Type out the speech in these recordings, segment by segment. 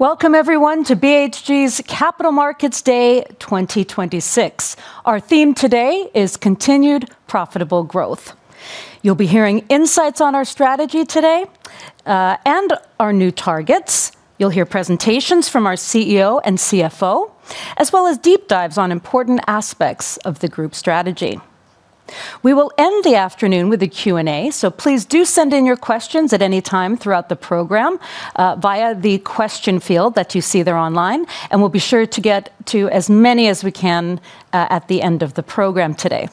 Welcome everyone to BHG's Capital Markets Day 2026. Our theme today is continue profitable growth. You'll be hearing insights on our strategy today, and our new targets. You'll hear presentations from our CEO and CFO, as well as deep dives on important aspects of the group strategy. We will end the afternoon with a Q&A, so please do send in your questions at any time throughout the program, via the question field that you see there online, and we'll be sure to get to as many as we can, at the end of the program today.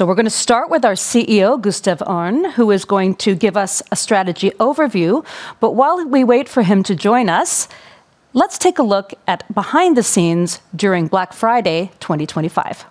We're going to start with our CEO, Gustaf Öhrn, who is going to give us a strategy overview. While we wait for him to join us, let's take a look at behind the scenes during Black Friday 2025.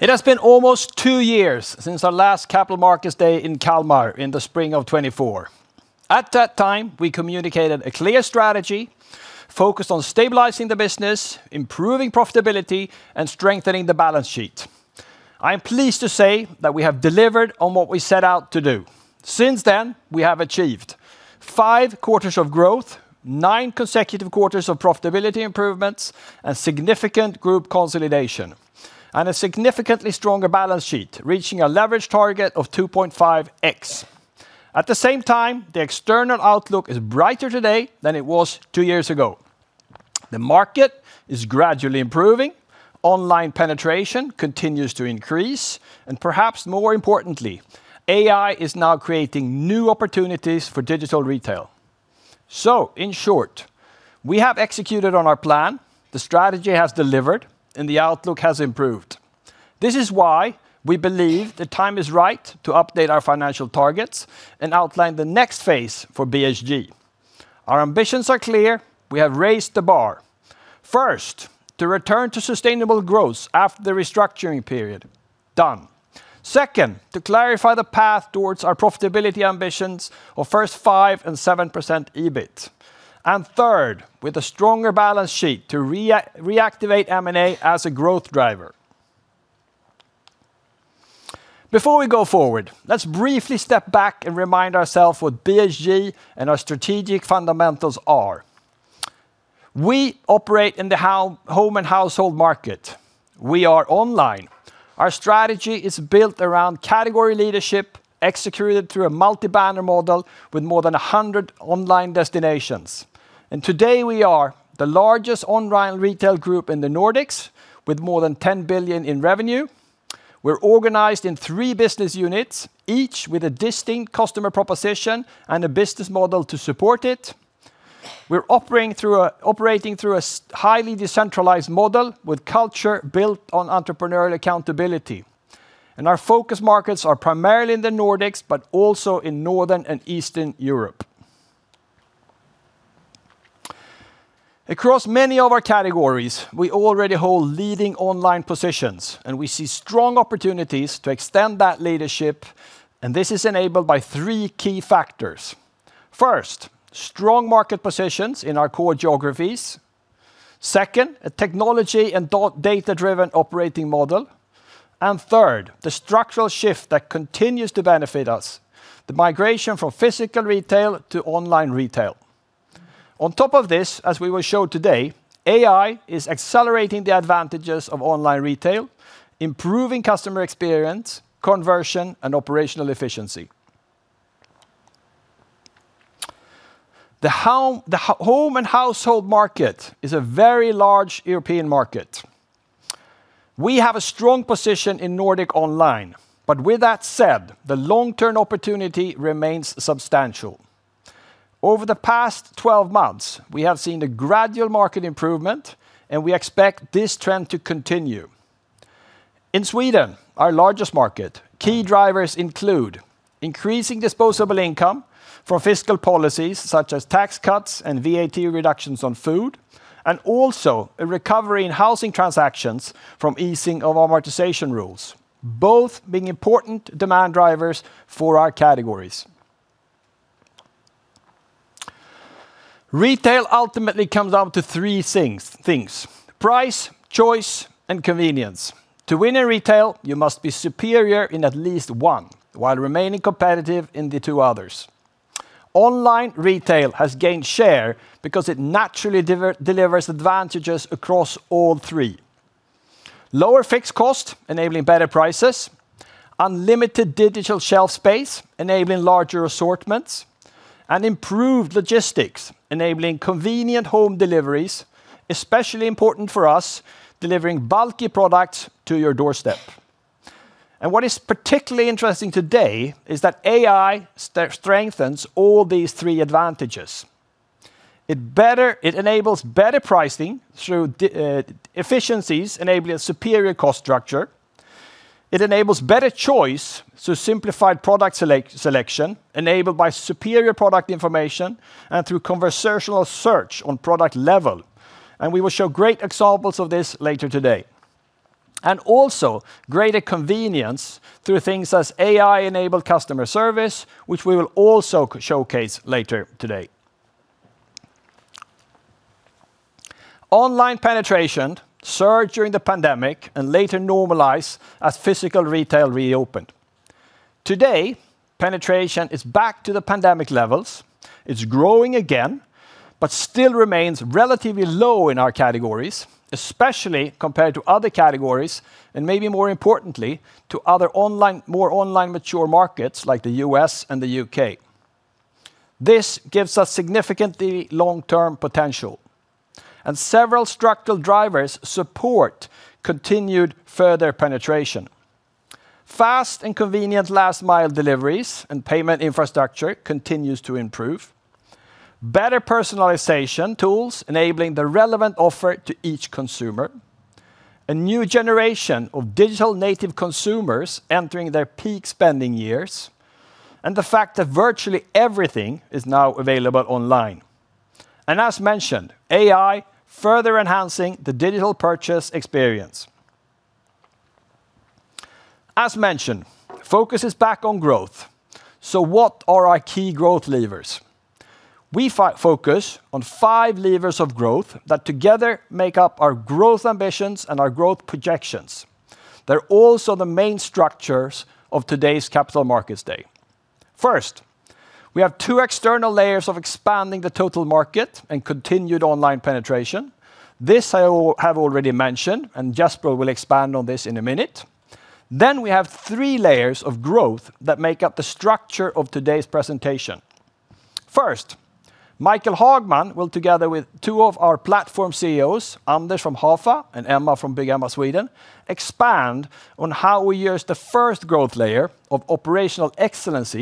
It has been almost two years since our last Capital Markets Day in Kalmar in the spring of 2024. At that time, we communicated a clear strategy focused on stabilizing the business, improving profitability, and strengthening the balance sheet. I am pleased to say that we have delivered on what we set out to do. Since then, we have achieved five quarters of growth, nine consecutive quarters of profitability improvements, and significant group consolidation, and a significantly stronger balance sheet, reaching a leverage target of 2.5x. At the same time, the external outlook is brighter today than it was two years ago. The market is gradually improving, online penetration continues to increase, and perhaps more importantly, AI is now creating new opportunities for digital retail. In short, we have executed on our plan, the strategy has delivered, and the outlook has improved. This is why we believe the time is right to update our financial targets and outline the next phase for BHG. Our ambitions are clear. We have raised the bar. First, to return to sustainable growth after the restructuring period. Done. Second, to clarify the path towards our profitability ambitions of 15% and 7% EBIT. Third, with a stronger balance sheet to reactivate M&A as a growth driver. Before we go forward, let's briefly step back and remind ourselves what BHG and our strategic fundamentals are. We operate in the home and household market. We are online. Our strategy is built around category leadership executed through a multi-banner model with more than 100 online destinations. Today, we are the largest online retail group in the Nordics with more than 10 billion in revenue. We're organized in three business units, each with a distinct customer proposition and a business model to support it. We're operating through a highly decentralized model with culture built on entrepreneurial accountability. Our focus markets are primarily in the Nordics, but also in Northern and Eastern Europe. Across many of our categories, we already hold leading online positions, and we see strong opportunities to extend that leadership, and this is enabled by three key factors. First, strong market positions in our core geographies. Second, a technology and data-driven operating model. Third, the structural shift that continues to benefit us, the migration from physical retail to online retail. On top of this, as we will show today, AI is accelerating the advantages of online retail, improving customer experience, conversion, and operational efficiency. The home and household market is a very large European market. We have a strong position in Nordic online, but with that said, the long-term opportunity remains substantial. Over the past 12 months, we have seen a gradual market improvement, and we expect this trend to continue. In Sweden, our largest market, key drivers include increasing disposable income from fiscal policies, such as tax cuts and VAT reductions on food, and also a recovery in housing transactions from easing of amortization rules, both being important demand drivers for our categories. Retail ultimately comes down to three things, price, choice, and convenience. To win in retail, you must be superior in at least one, while remaining competitive in the two others. Online retail has gained share because it naturally delivers advantages across all three. Lower fixed cost enabling better prices, unlimited digital shelf space enabling larger assortments, and improved logistics enabling convenient home deliveries, especially important for us delivering bulky products to your doorstep. What is particularly interesting today is that AI strengthens all these three advantages. It enables better pricing through the efficiencies enabling a superior cost structure. It enables better choice through simplified product selection enabled by superior product information and through conversational search on product level. We will show great examples of this later today. Also greater convenience through such as AI-enabled customer service, which we will also showcase later today. Online penetration surged during the pandemic and later normalized as physical retail reopened. Today, penetration is back to the pandemic levels. It's growing again, but still remains relatively low in our categories, especially compared to other categories and maybe more importantly, to other online mature markets like the U.S. and the U.K. This gives us significantly long-term potential, and several structural drivers support continued further penetration. Fast and convenient last mile deliveries and payment infrastructure continues to improve. Better personalization tools enabling the relevant offer to each consumer. A new generation of digital native consumers entering their peak spending years, and the fact that virtually everything is now available online. As mentioned, AI further enhancing the digital purchase experience. As mentioned, focus is back on growth. What are our key growth levers? We focus on five levers of growth that together make up our growth ambitions and our growth projections. They're also the main structures of today's capital markets day. First, we have two external layers of expanding the total market and continued online penetration. This, I have already mentioned, and Jesper will expand on this in a minute. We have three layers of growth that make up the structure of today's presentation. First, Mikael Hagman will, together with two of our platform CEOs, Anders from Hafa and Emma from Bygghemma Sweden, expand on how we use the first growth layer of operational excellence,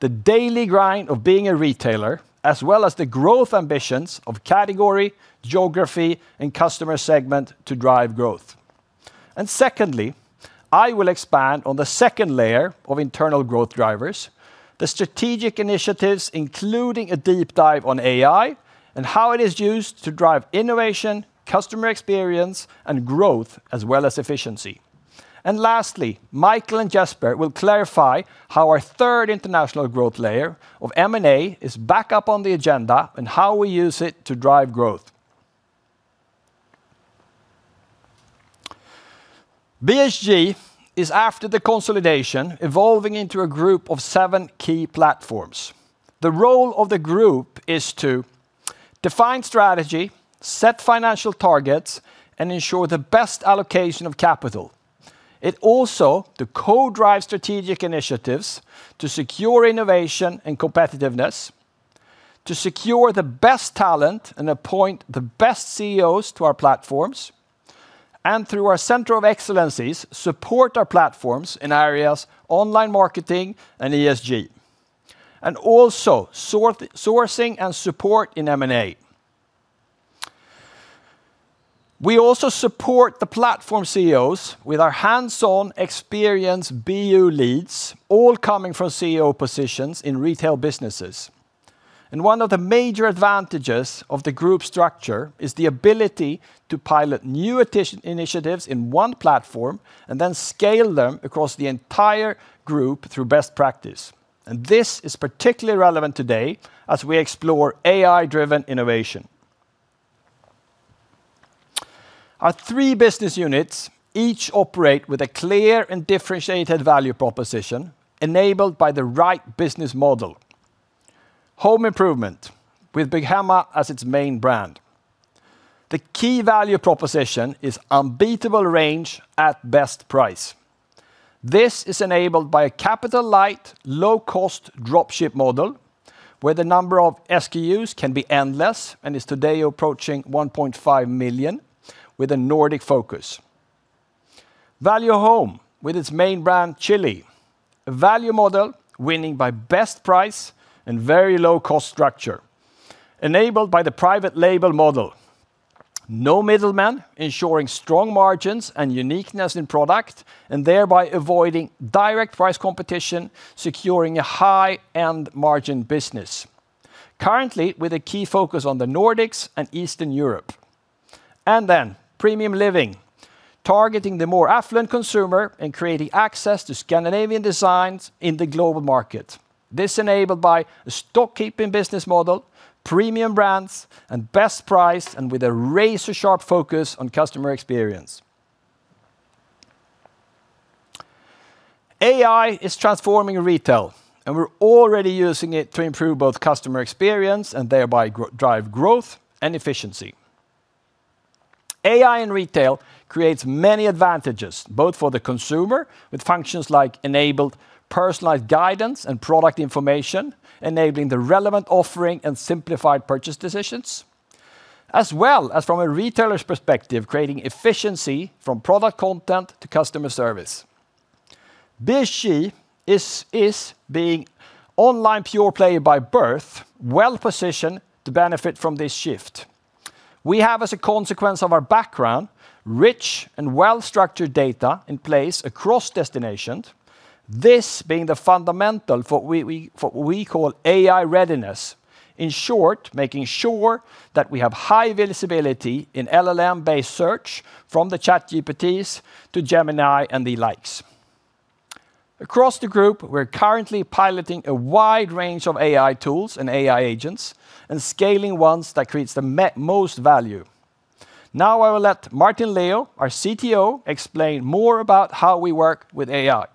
the daily grind of being a retailer, as well as the growth ambitions of category, geography, and customer segment to drive growth. Secondly, I will expand on the second layer of internal growth drivers, the strategic initiatives, including a deep dive on AI and how it is used to drive innovation, customer experience, and growth, as well as efficiency. Lastly, Mikael and Jesper will clarify how our third international growth layer of M&A is back on the agenda and how we use it to drive growth. BHG is after the consolidation, evolving into a group of seven key platforms. The role of the group is to define strategy, set financial targets, and ensure the best allocation of capital. It also to co-drive strategic initiatives to secure innovation and competitiveness, to secure the best talent and appoint the best CEOs to our platforms, and through our centers of excellence, support our platforms in areas online marketing and ESG, and also sourcing and support in M&A. We also support the platform CEOs with our hands-on experience. Business unit leads all coming from CEO positions in retail businesses. One of the major advantages of the group structure is the ability to pilot new initiatives in one platform and then scale them across the entire group through best practice. This is particularly relevant today as we explore AI-driven innovation. Our three business units each operate with a clear and differentiated value proposition enabled by the right business model. Home Improvement with Bygghemma as its main brand. The key value proposition is unbeatable range at best price. This is enabled by a capital light, low cost drop ship model, where the number of SKUs can be endless and is today approaching 1.5 million with a Nordic focus. Value Home with its main brand, Chilli. A value model winning by best price and very low cost structure, enabled by the private label model. No middlemen ensuring strong margins and uniqueness in product and thereby avoiding direct price competition, securing a high-end margin business. Currently with a key focus on the Nordics and Eastern Europe. Premium Living, targeting the more affluent consumer and creating access to Scandinavian designs in the global market. This enabled by a stock keeping business model, premium brands, and best price, and with a razor-sharp focus on customer experience. AI is transforming retail, and we're already using it to improve both customer experience and thereby drive growth and efficiency. AI in retail creates many advantages, both for the consumer with functions like enabled personalized guidance and product information, enabling the relevant offering and simplified purchase decisions. As well as from a retailer's perspective, creating efficiency from product content to customer service. BHG is being online pure play by birth, well-positioned to benefit from this shift. We have, as a consequence of our background, rich and well-structured data in place across destinations, this being the fundamental for what we call AI readiness. In short, making sure that we have high visibility in LLM-based search from the ChatGPTs to Gemini and the likes. Across the group, we're currently piloting a wide range of AI tools and AI agents and scaling ones that creates the most value. Now I will let Martin Leo, our CTO, explain more about how we work with AI.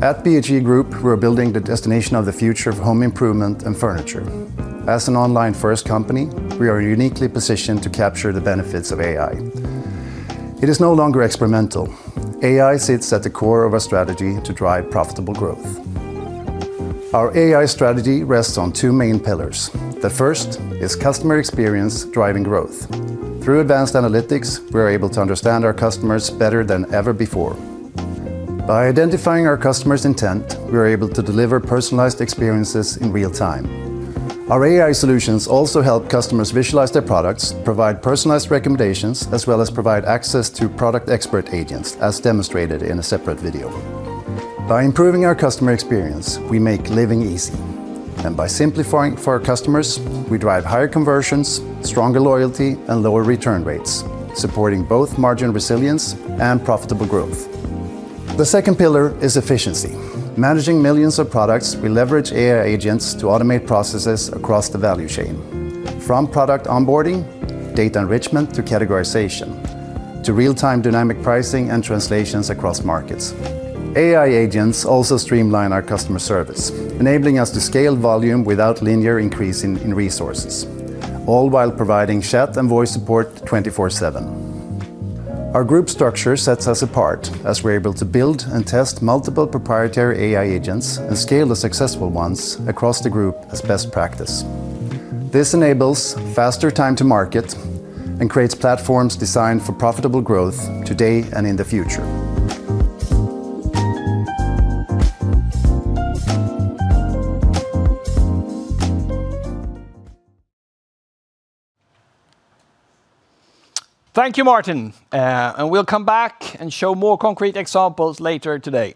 At BHG Group, we're building the destination of the future of home improvement and furniture. As an online-first company, we are uniquely positioned to capture the benefits of AI. It is no longer experimental. AI sits at the core of our strategy to drive profitable growth. Our AI strategy rests on two main pillars. The first is customer experience driving growth. Through advanced analytics, we're able to understand our customers better than ever before. By identifying our customer's intent, we are able to deliver personalized experiences in real time. Our AI solutions also help customers visualize their products, provide personalized recommendations, as well as provide access to product expert agents, as demonstrated in a separate video. By improving our customer experience, we make living easy. By simplifying for our customers, we drive higher conversions, stronger loyalty, and lower return rates, supporting both margin resilience and profitable growth. The second pillar is efficiency. Managing millions of products, we leverage AI agents to automate processes across the value chain, from product onboarding, data enrichment to categorization, to real-time dynamic pricing and translations across markets. AI agents also streamline our customer service, enabling us to scale volume without linear increase in resources, all while providing chat and voice support 24/7. Our group structure sets us apart as we're able to build and test multiple proprietary AI agents and scale the successful ones across the group as best practice. This enables faster time to market and creates platforms designed for profitable growth today and in the future. Thank you, Martin. We'll come back and show more concrete examples later today.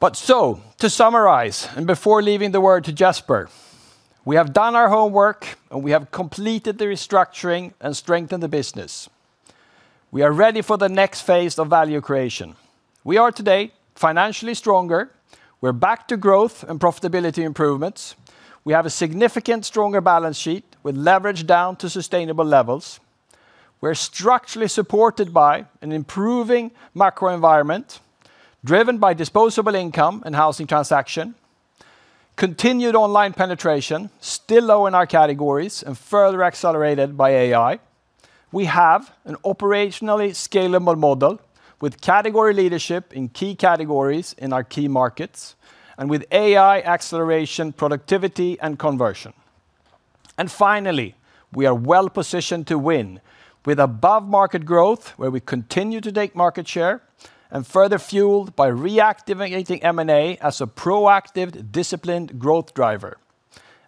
To summarize, and before leaving the word to Jesper, we have done our homework, and we have completed the restructuring and strengthened the business. We are ready for the next phase of value creation. We are today financially stronger. We're back to growth and profitability improvements. We have a significantly stronger balance sheet with leverage down to sustainable levels. We're structurally supported by an improving macro environment, driven by disposable income and housing transactions, continued online penetration, still low in our categories and further accelerated by AI. We have an operationally scalable model with category leadership in key categories in our key markets and with AI acceleration, productivity, and conversion. Finally, we are well-positioned to win with above market growth, where we continue to take market share and further fueled by reactivating M&A as a proactive, disciplined growth driver.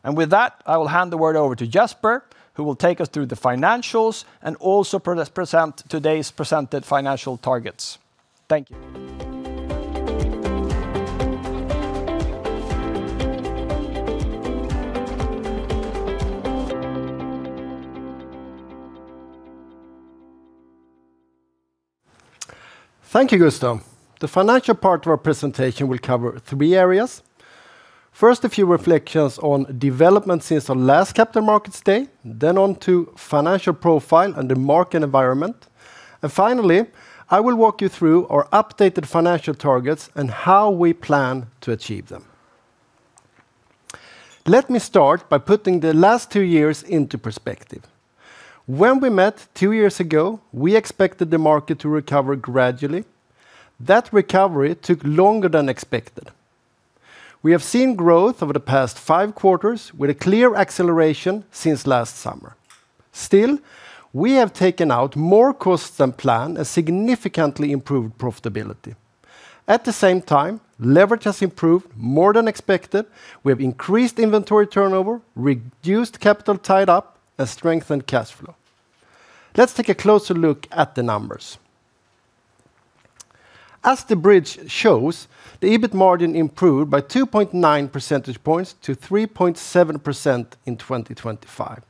With that, I will hand the word over to Jesper, who will take us through the financials and also present today's presented financial targets. Thank you. Thank you, Gustaf. The financial part of our presentation will cover three areas. First, a few reflections on development since our last Capital Markets Day, then on to financial profile and the market environment. Finally, I will walk you through our updated financial targets and how we plan to achieve them. Let me start by putting the last two years into perspective. When we met two years ago, we expected the market to recover gradually. That recovery took longer than expected. We have seen growth over the past five quarters with a clear acceleration since last summer. Still, we have taken out more costs than planned and significantly improved profitability. At the same time, leverage has improved more than expected. We have increased inventory turnover, reduced capital tied up, and strengthened cash flow. Let's take a closer look at the numbers. As the bridge shows, the EBIT margin improved by 2.9 percentage points to 3.7% in 2025.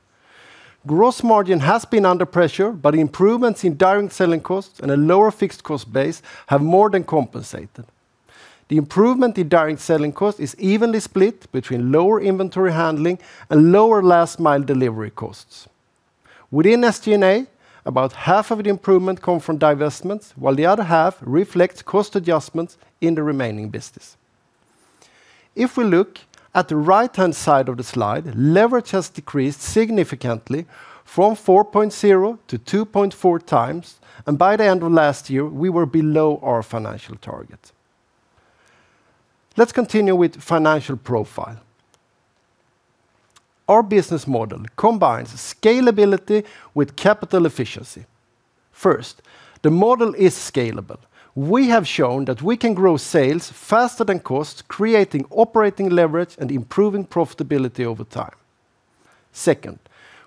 Gross margin has been under pressure, but improvements in direct selling costs and a lower fixed cost base have more than compensated. The improvement in direct selling cost is evenly split between lower inventory handling and lower last mile delivery costs. Within SG&A, about half of the improvement come from divestments while the other half reflects cost adjustments in the remaining business. If we look at the right-hand side of the slide, leverage has decreased significantly from 4.0x to 2.4x and by the end of last year, we were below our financial target. Let's continue with financial profile. Our business model combines scalability with capital efficiency. First, the model is scalable. We have shown that we can grow sales faster than costs, creating operating leverage and improving profitability over time. Second,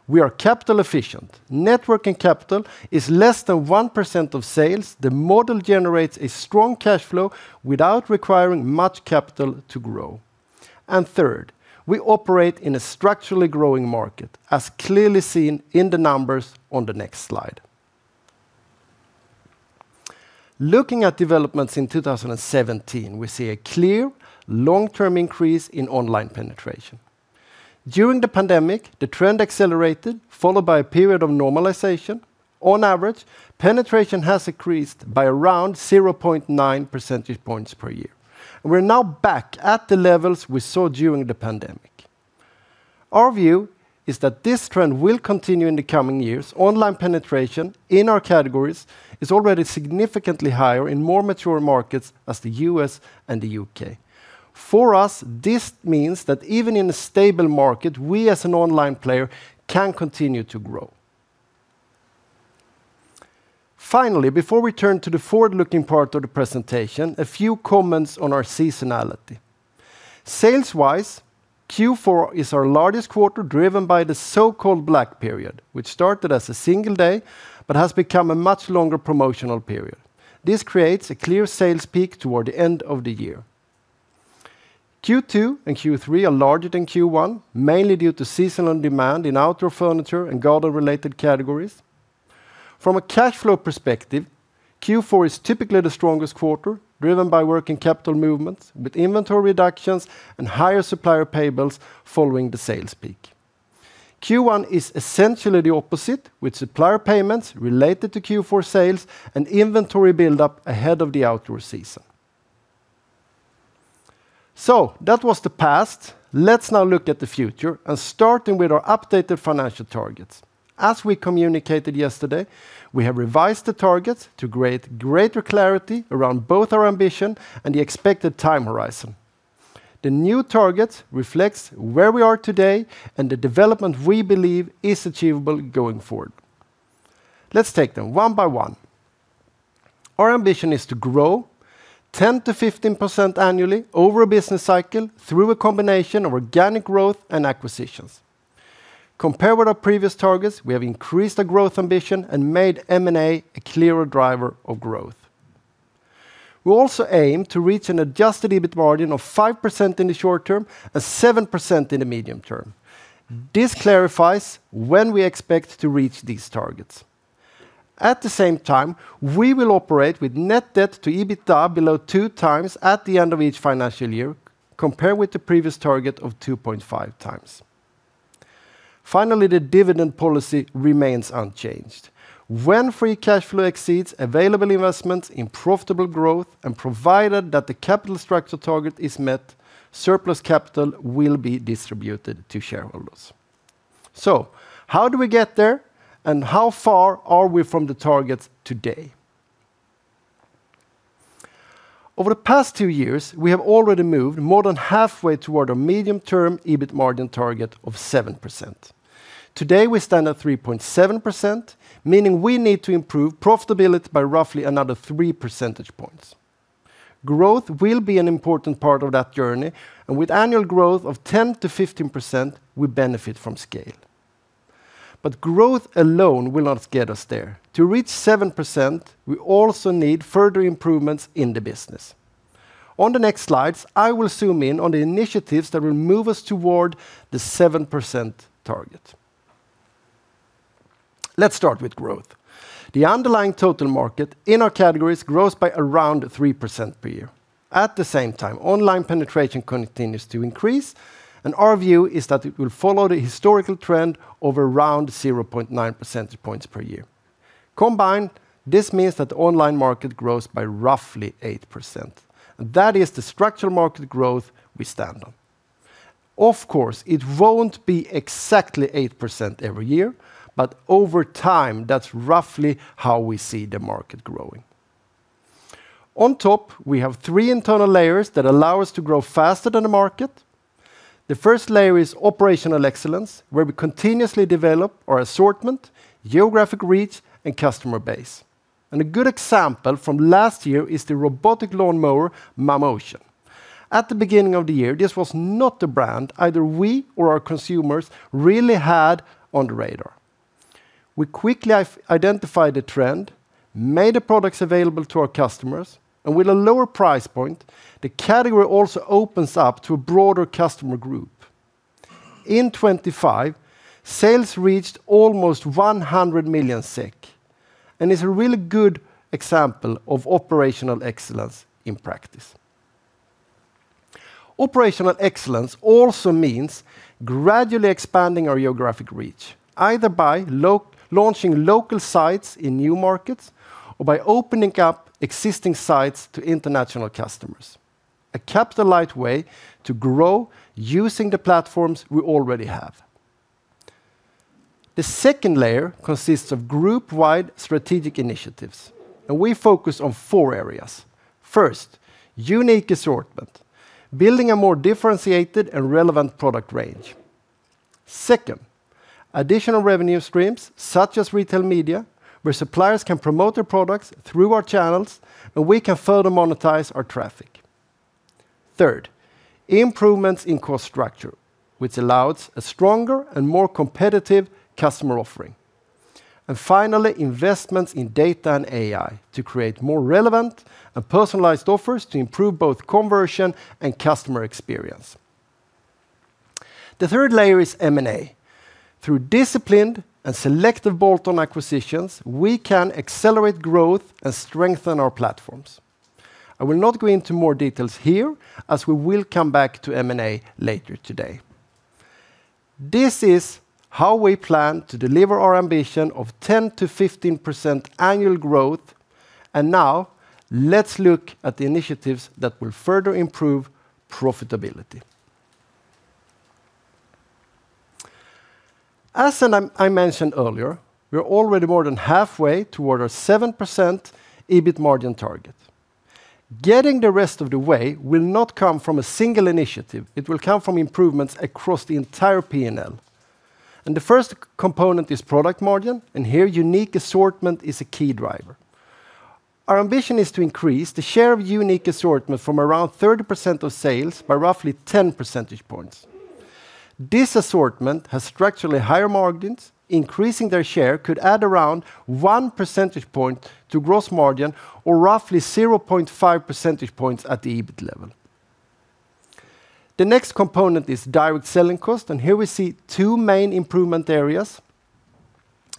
we are capital efficient. Net working capital is less than 1% of sales. The model generates a strong cash flow without requiring much capital to grow. Third, we operate in a structurally growing market, as clearly seen in the numbers on the next slide. Looking at developments in 2017, we see a clear long-term increase in online penetration. During the pandemic, the trend accelerated, followed by a period of normalization. On average, penetration has increased by around 0.9 percentage points per year. We're now back at the levels we saw during the pandemic. Our view is that this trend will continue in the coming years. Online penetration in our categories is already significantly higher in more mature markets as the U.S. and the U.K. For us, this means that even in a stable market, we as an online player can continue to grow. Finally, before we turn to the forward-looking part of the presentation, a few comments on our seasonality. Sales-wise, Q4 is our largest quarter driven by the so-called Black period, which started as a single day but has become a much longer promotional period. This creates a clear sales peak toward the end of the year. Q2 and Q3 are larger than Q1, mainly due to seasonal demand in outdoor furniture and garden-related categories. From a cash flow perspective, Q4 is typically the strongest quarter driven by working capital movements with inventory reductions and higher supplier payables following the sales peak. Q1 is essentially the opposite with supplier payments related to Q4 sales and inventory build-up ahead of the outdoor season. That was the past. Let's now look at the future and starting with our updated financial targets. As we communicated yesterday, we have revised the targets to create greater clarity around both our ambition and the expected time horizon. The new target reflects where we are today and the development we believe is achievable going forward. Let's take them one by one. Our ambition is to grow 10%-15% annually over a business cycle through a combination of organic growth and acquisitions. Compared with our previous targets, we have increased our growth ambition and made M&A a clearer driver of growth. We also aim to reach an adjusted EBIT margin of 5% in the short term and 7% in the medium term. This clarifies when we expect to reach these targets. At the same time, we will operate with net debt to EBITDA below 2x at the end of each financial year, compared with the previous target of 2.5x. Finally, the dividend policy remains unchanged. When free cash flow exceeds available investments in profitable growth and provided that the capital structure target is met, surplus capital will be distributed to shareholders. How do we get there, and how far are we from the target today? Over the past two years, we have already moved more than halfway toward a medium-term EBIT margin target of 7%. Today, we stand at 3.7%, meaning we need to improve profitability by roughly another three percentage points. Growth will be an important part of that journey, and with annual growth of 10%-15%, we benefit from scale. Growth alone will not get us there. To reach 7%, we also need further improvements in the business. On the next slides, I will zoom in on the initiatives that will move us toward the 7% target. Let's start with growth. The underlying total market in our categories grows by around 3% per year. At the same time, online penetration continues to increase, and our view is that it will follow the historical trend of around 0.9 percentage points per year. Combined, this means that the online market grows by roughly 8%, and that is the structural market growth we stand on. Of course, it won't be exactly 8% every year, but over time, that's roughly how we see the market growing. On top, we have three internal layers that allow us to grow faster than the market. The first layer is operational excellence, where we continuously develop our assortment, geographic reach, and customer base. A good example from last year is the robotic lawnmower, Mammotion. At the beginning of the year, this was not the brand either we or our consumers really had on the radar. We quickly identified the trend, made the products available to our customers, and with a lower price point, the category also opens up to a broader customer group. In 2025, sales reached almost 100 million SEK, and is a really good example of operational excellence in practice. Operational excellence also means gradually expanding our geographic reach, either by launching local sites in new markets or by opening up existing sites to international customers. A capital light way to grow using the platforms we already have. The second layer consists of group-wide strategic initiatives, and we focus on four areas. First, unique assortment, building a more differentiated and relevant product range. Second, additional revenue streams, such as retail media, where suppliers can promote their products through our channels, and we can further monetize our traffic. Third, improvements in cost structure, which allows a stronger and more competitive customer offering. Finally, investments in data and AI to create more relevant and personalized offers to improve both conversion and customer experience. The third layer is M&A. Through disciplined and selective bolt-on acquisitions, we can accelerate growth and strengthen our platforms. I will not go into more details here, as we will come back to M&A later today. This is how we plan to deliver our ambition of 10%-15% annual growth, and now let's look at the initiatives that will further improve profitability. As I mentioned earlier, we're already more than halfway toward our 7% EBIT margin target. Getting the rest of the way will not come from a single initiative. It will come from improvements across the entire P&L. The first component is product margin, and here, unique assortment is a key driver. Our ambition is to increase the share of unique assortment from around 30% of sales by roughly 10 percentage points. This assortment has structurally higher margins. Increasing their share could add around 1 percentage point to gross margin or roughly 0.5 percentage points at the EBIT level. The next component is direct selling cost, and here we see two main improvement areas.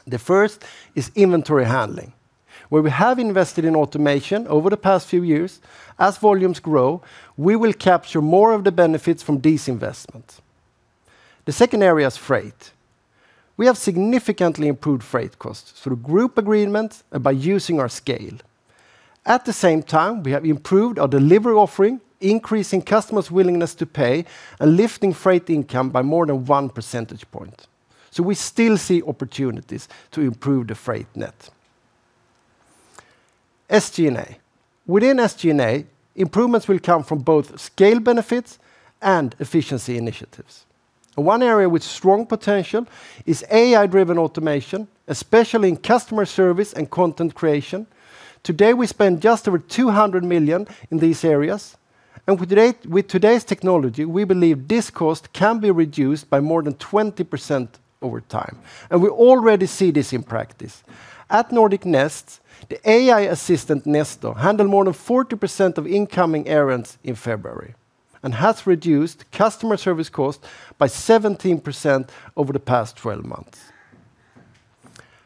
The first is inventory handling, where we have invested in automation over the past few years. As volumes grow, we will capture more of the benefits from this investment. The second area is freight. We have significantly improved freight costs through group agreements and by using our scale. At the same time, we have improved our delivery offering, increasing customers' willingness to pay and lifting freight income by more than 1 percentage point. We still see opportunities to improve the freight net. SG&A. Within SG&A, improvements will come from both scale benefits and efficiency initiatives. One area with strong potential is AI-driven automation, especially in customer service and content creation. Today, we spend just over 200 million in these areas. With today's technology, we believe this cost can be reduced by more than 20% over time, and we already see this in practice. At Nordic Nest, the AI assistant, Nestor, handled more than 40% of incoming errands in February and has reduced customer service costs by 17% over the past 12 months.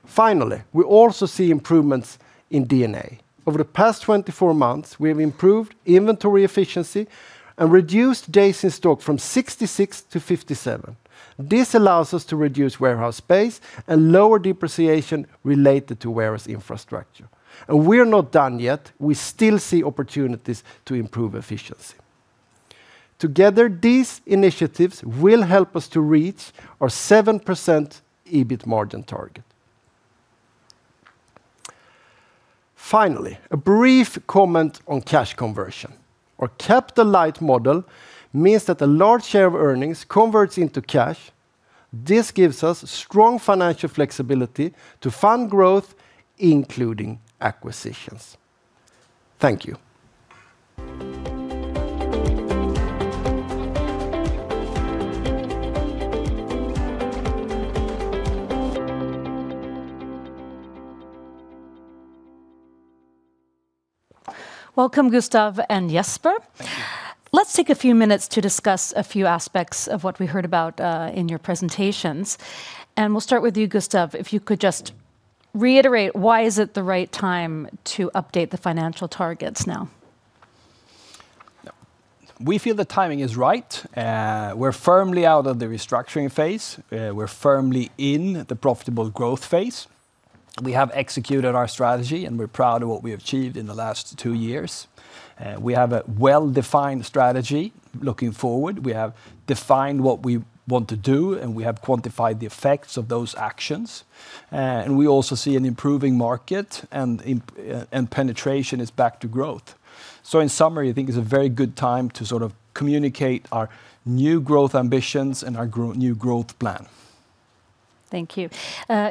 Finally, we also see improvements in D&A. Over the past 24 months, we have improved inventory efficiency and reduced days in stock from 66 to 57. This allows us to reduce warehouse space and lower depreciation related to warehouse infrastructure. We're not done yet. We still see opportunities to improve efficiency. Together, these initiatives will help us to reach our 7% EBIT margin target. Finally, a brief comment on cash conversion. Our capital light model means that a large share of earnings converts into cash. This gives us strong financial flexibility to fund growth, including acquisitions. Thank you. Welcome, Gustaf and Jesper. Thank you. Let's take a few minutes to discuss a few aspects of what we heard about in your presentations. We'll start with you, Gustaf. If you could just reiterate why is it the right time to update the financial targets now? We feel the timing is right. We're firmly out of the restructuring phase. We're firmly in the profitable growth phase. We have executed our strategy, and we're proud of what we achieved in the last two years. We have a well-defined strategy looking forward. We have defined what we want to do, and we have quantified the effects of those actions. We also see an improving market, and penetration is back to growth. In summary, I think it's a very good time to sort of communicate our new growth ambitions and our new growth plan. Thank you.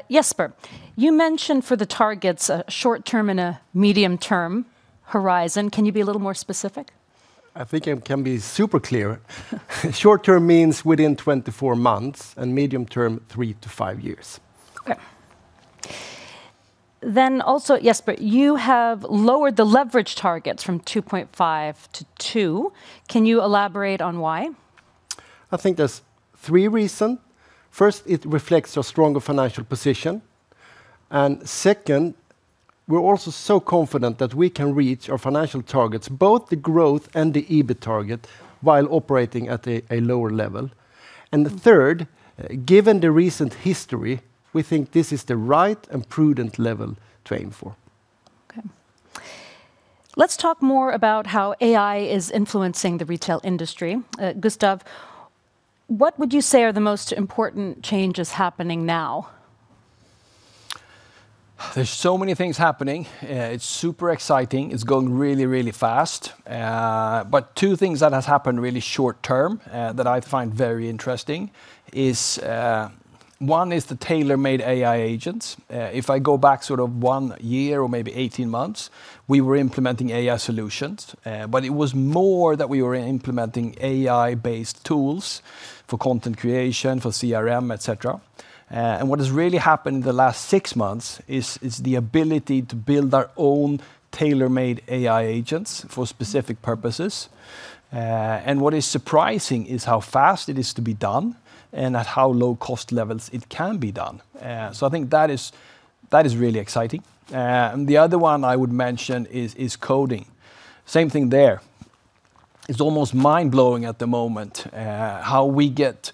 Jesper, you mentioned for the targets a short term and a medium term horizon. Can you be a little more specific? I think I can be super clear. Short term means within 24 months, and medium term three to five years. Okay. Also, Jesper, you have lowered the leverage targets from two and a half to two. Can you elaborate on why? I think there's three reasons. First, it reflects a stronger financial position, and second, we're also so confident that we can reach our financial targets, both the growth and the EBIT target, while operating at a lower level. The third, given the recent history, we think this is the right and prudent level to aim for. Okay. Let's talk more about how AI is influencing the retail industry. Gustaf, what would you say are the most important changes happening now? There's so many things happening. It's super exciting. It's going really, really fast. Two things that has happened really short term that I find very interesting is, one is the tailor-made AI agents. If I go back sort of one year or maybe 18 months, we were implementing AI solutions, but it was more that we were implementing AI based tools for content creation, for CRM, et cetera. What has really happened in the last six months is the ability to build our own tailor-made AI agents for specific purposes. What is surprising is how fast it is to be done and at how low cost levels it can be done. I think that is really exciting. The other one I would mention is coding. Same thing there. It's almost mind-blowing at the moment, how we get,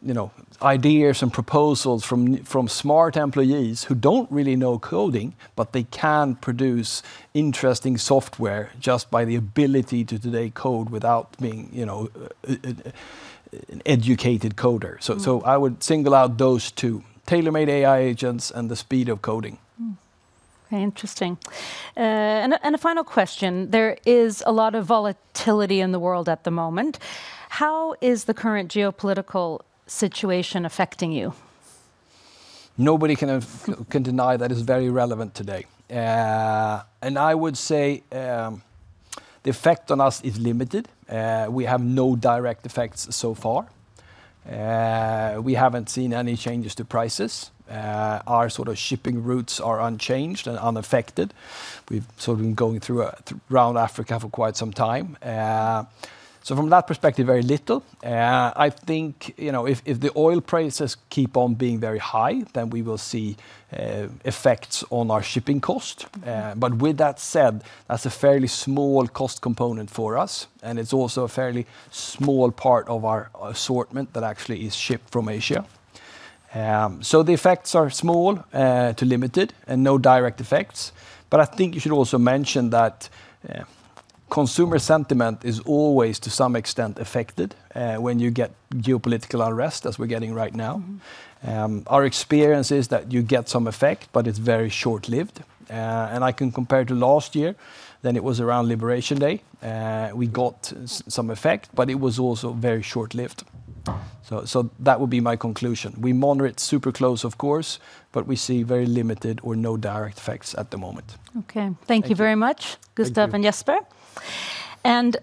you know, ideas and proposals from smart employees who don't really know coding, but they can produce interesting software just by the ability to today code without being, you know, an educated coder. Mm. I would single out those two, tailor-made AI agents and the speed of coding. Okay, interesting. A final question. There is a lot of volatility in the world at the moment. How is the current geopolitical situation affecting you? Nobody can deny that is very relevant today. I would say the effect on us is limited. We have no direct effects so far. We haven't seen any changes to prices. Our sort of shipping routes are unchanged and unaffected. We've sort of been going through around Africa for quite some time. From that perspective, very little. I think, you know, if the oil prices keep on being very high, then we will see effects on our shipping cost. Mm-hmm. With that said, that's a fairly small cost component for us, and it's also a fairly small part of our assortment that actually is shipped from Asia. The effects are small, too limited and no direct effects, but I think you should also mention that consumer sentiment is always to some extent affected when you get geopolitical unrest as we're getting right now. Mm-hmm. Our experience is that you get some effect, but it's very short-lived. I can compare to last year, then it was around Liberation Day. We got some effect, but it was also very short-lived. That would be my conclusion. We monitor it super close, of course, but we see very limited or no direct effects at the moment. Okay. Thank you. Thank you very much, Gustaf and Jesper. Thank you.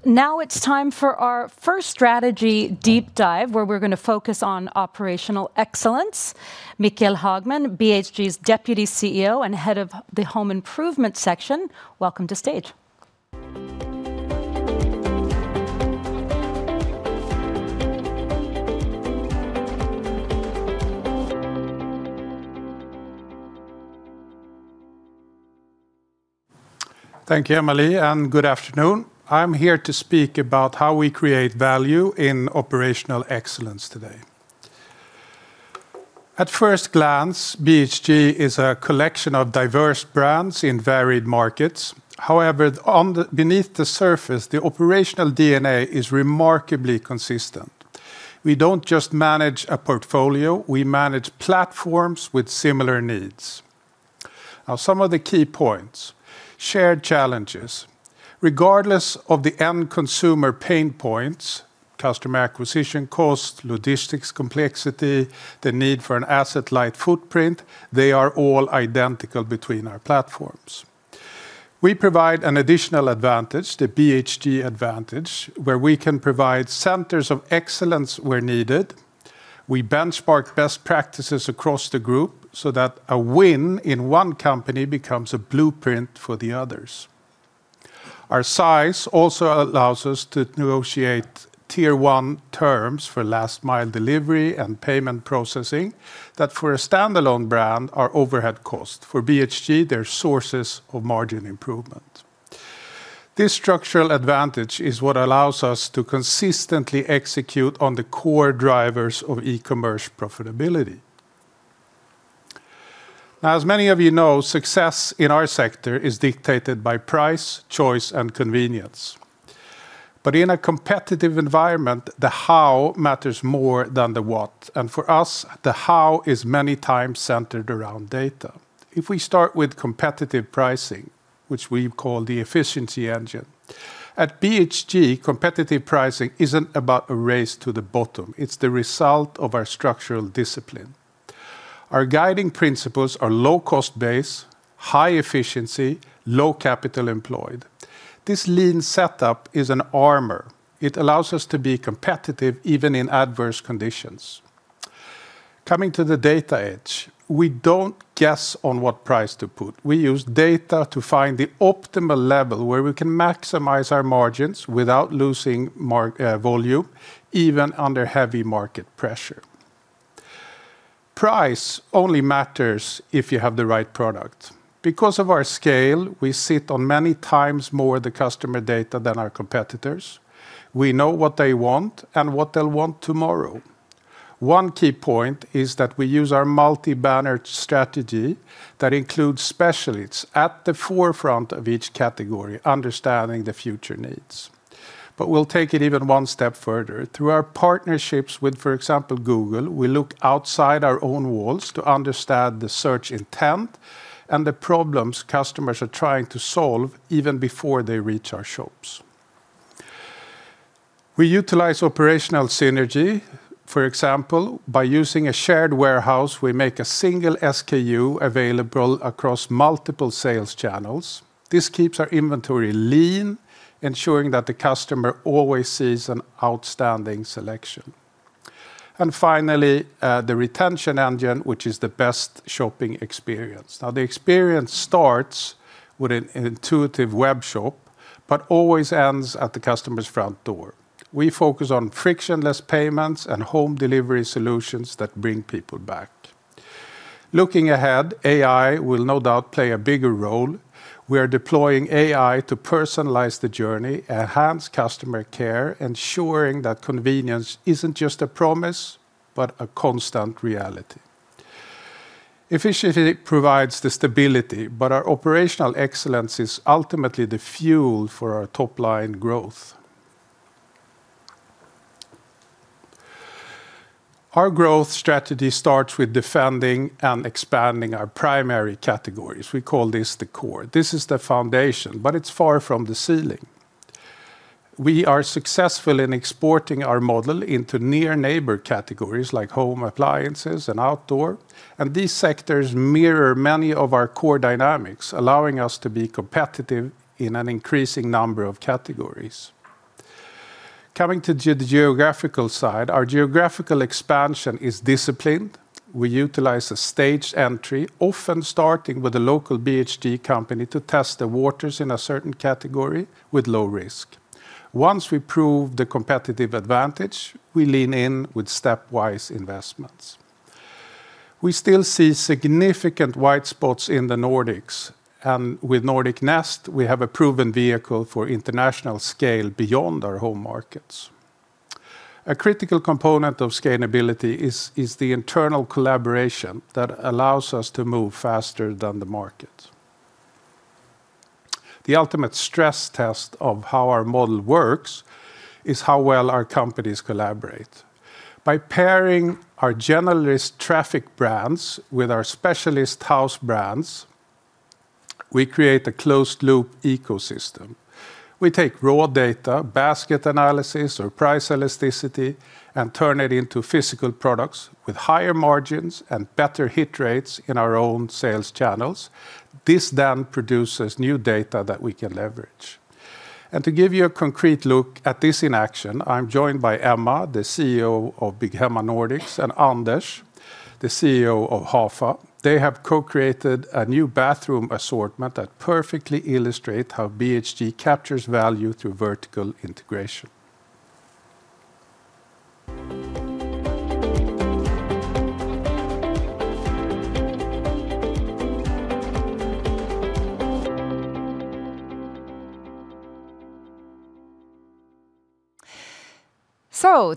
Now it's time for our first strategy deep dive, where we're going to focus on operational excellence. Mikael Hagman, BHG's Deputy CEO and Head of the Home Improvement section, welcome to stage. Thank you, Emily, and good afternoon. I'm here to speak about how we create value in operational excellence today. At first glance, BHG is a collection of diverse brands in varied markets. However, beneath the surface, the operational DNA is remarkably consistent. We don't just manage a portfolio, we manage platforms with similar needs. Now some of the key points. Shared challenges. Regardless of the end consumer pain points, customer acquisition cost, logistics complexity, the need for an asset light footprint, they are all identical between our platforms. We provide an additional advantage, the BHG advantage, where we can provide centers of excellence where needed. We benchmark best practices across the group so that a win in one company becomes a blueprint for the others. Our size also allows us to negotiate tier one terms for last mile delivery and payment processing that for a standalone brand are overhead cost. For BHG, they're sources of margin improvement. This structural advantage is what allows us to consistently execute on the core drivers of e-commerce profitability. Now as many of you know, success in our sector is dictated by price, choice, and convenience. In a competitive environment, the how matters more than the what and for us, the how is many times centered around data. If we start with competitive pricing, which we call the efficiency engine. At BHG, competitive pricing isn't about a race to the bottom. It's the result of our structural discipline. Our guiding principles are low cost base, high efficiency, low capital employed. This lean setup is an armor. It allows us to be competitive even in adverse conditions. Coming to the data edge, we don't guess on what price to put. We use data to find the optimal level where we can maximize our margins without losing volume, even under heavy market pressure. Price only matters if you have the right product. Because of our scale, we sit on many times more the customer data than our competitors. We know what they want and what they'll want tomorrow. One key point is that we use our multi-banner strategy that includes specialists at the forefront of each category understanding the future needs. We'll take it even one step further. Through our partnerships with, for example, Google, we look outside our own walls to understand the search intent and the problems customers are trying to solve even before they reach our shops. We utilize operational synergy, for example, by using a shared warehouse, we make a single SKU available across multiple sales channels. This keeps our inventory lean, ensuring that the customer always sees an outstanding selection. Finally, the retention engine, which is the best shopping experience. Now, the experience starts with an intuitive web shop but always ends at the customer's front door. We focus on frictionless payments and home delivery solutions that bring people back. Looking ahead, AI will no doubt play a bigger role. We are deploying AI to personalize the journey, enhance customer care, ensuring that convenience isn't just a promise, but a constant reality. Efficiency provides the stability, but our operational excellence is ultimately the fuel for our top line growth. Our growth strategy starts with defending and expanding our primary categories. We call this the core. This is the foundation, but it's far from the ceiling. We are successful in exporting our model into near neighbor categories like home appliances and outdoor. These sectors mirror many of our core dynamics, allowing us to be competitive in an increasing number of categories. Coming to the geographical side, our geographical expansion is disciplined. We utilize a staged entry, often starting with a local BHG company to test the waters in a certain category with low risk. Once we prove the competitive advantage, we lean in with stepwise investments. We still see significant white spots in the Nordics. With Nordic Nest, we have a proven vehicle for international scale beyond our home markets. A critical component of scalability is the internal collaboration that allows us to move faster than the market. The ultimate stress test of how our model works is how well our companies collaborate. By pairing our generalist traffic brands with our specialist house brands, we create a closed loop ecosystem. We take raw data, basket analysis, or price elasticity and turn it into physical products with higher margins and better hit rates in our own sales channels. This then produces new data that we can leverage. To give you a concrete look at this in action, I'm joined by Emma, the CEO of Bygghemma Nordic, and Anders, the CEO of Hafa. They have co-created a new bathroom assortment that perfectly illustrate how BHG captures value through vertical integration.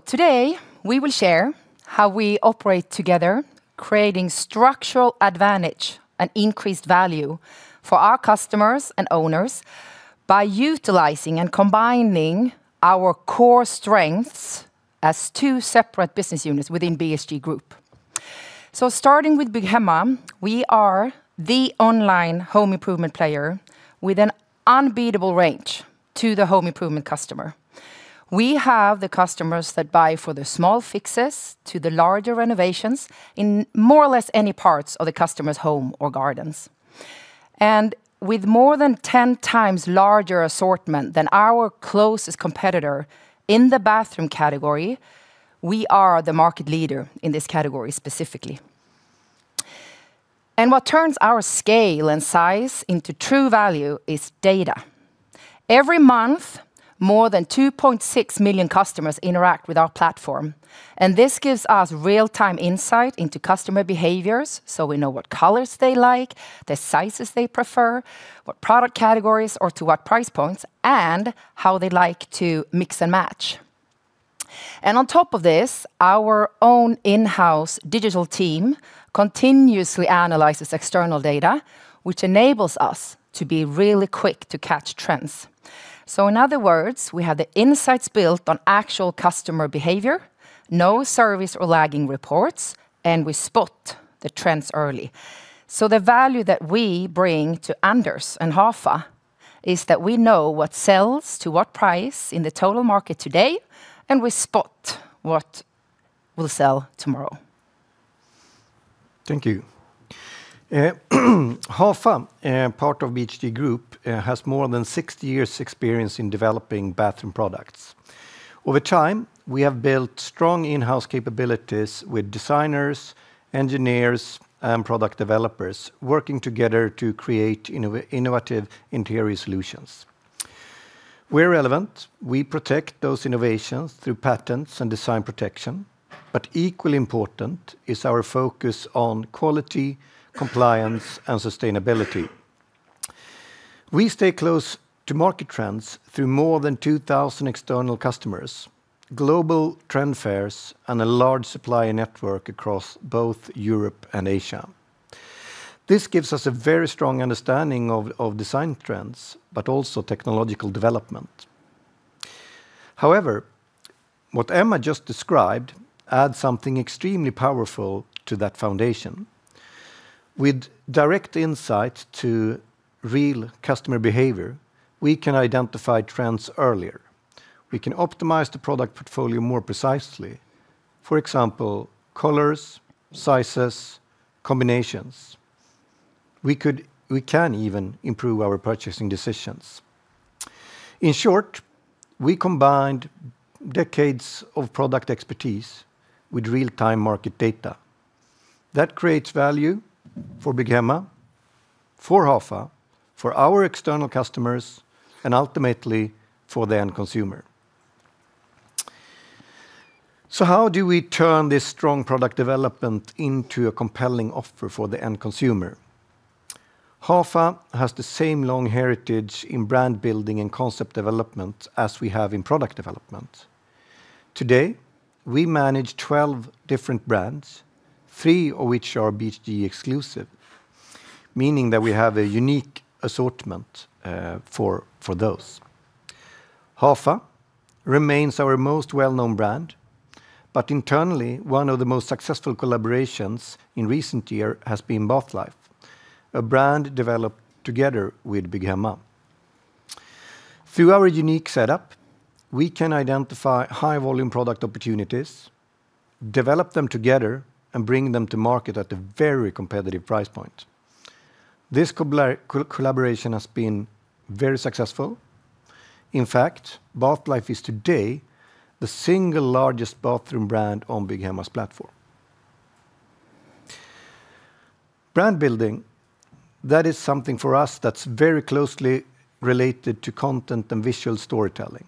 Today, we will share how we operate together, creating structural advantage and increased value for our customers and owners by utilizing and combining our core strengths as two separate business units within BHG Group. Starting with Bygghemma, we are the online home improvement player with an unbeatable range to the home improvement customer. We have the customers that buy for the small fixes to the larger renovations in more or less any parts of the customer's home or gardens. With more than 10x larger assortment than our closest competitor in the bathroom category, we are the market leader in this category specifically. What turns our scale and size into true value is data. Every month, more than 2.6 million customers interact with our platform, and this gives us real-time insight into customer behaviors, so we know what colors they like, the sizes they prefer, what product categories or to what price points, and how they like to mix and match. On top of this, our own in-house digital team continuously analyzes external data, which enables us to be really quick to catch trends. In other words, we have the insights built on actual customer behavior, no surveys or lagging reports, and we spot the trends early. The value that we bring to Anders and Hafa is that we know what sells to what price in the total market today, and we spot what will sell tomorrow. Thank you. Hafa, part of BHG Group, has more than 60 years experience in developing bathroom products. Over time, we have built strong in-house capabilities with designers, engineers, and product developers working together to create innovative interior solutions. We're relevant, we protect those innovations through patents and design protection, but equally important is our focus on quality, compliance, and sustainability. We stay close to market trends through more than 2,000 external customers, global trend fairs, and a large supplier network across both Europe and Asia. This gives us a very strong understanding of design trends, but also technological development. However, what Emma just described adds something extremely powerful to that foundation. With direct insight to real customer behavior, we can identify trends earlier. We can optimize the product portfolio more precisely. For example, colors, sizes, combinations. We can even improve our purchasing decisions. In short, we combined decades of product expertise with real-time market data that creates value for Bygghemma, for Hafa, for our external customers, and ultimately for the end consumer. How do we turn this strong product development into a compelling offer for the end consumer? Hafa has the same long heritage in brand building and concept development as we have in product development. Today, we manage 12 different brands, three of which are BHG exclusive, meaning that we have a unique assortment for those. Hafa remains our most well-known brand, but internally one of the most successful collaborations in recent year has been Bathlife, a brand developed together with Bygghemma. Through our unique setup, we can identify high volume product opportunities, develop them together, and bring them to market at a very competitive price point. This collaboration has been very successful. In fact, Bathlife is today the single largest bathroom brand on Bygghemma's platform. Brand building, that is something for us that's very closely related to content and visual storytelling.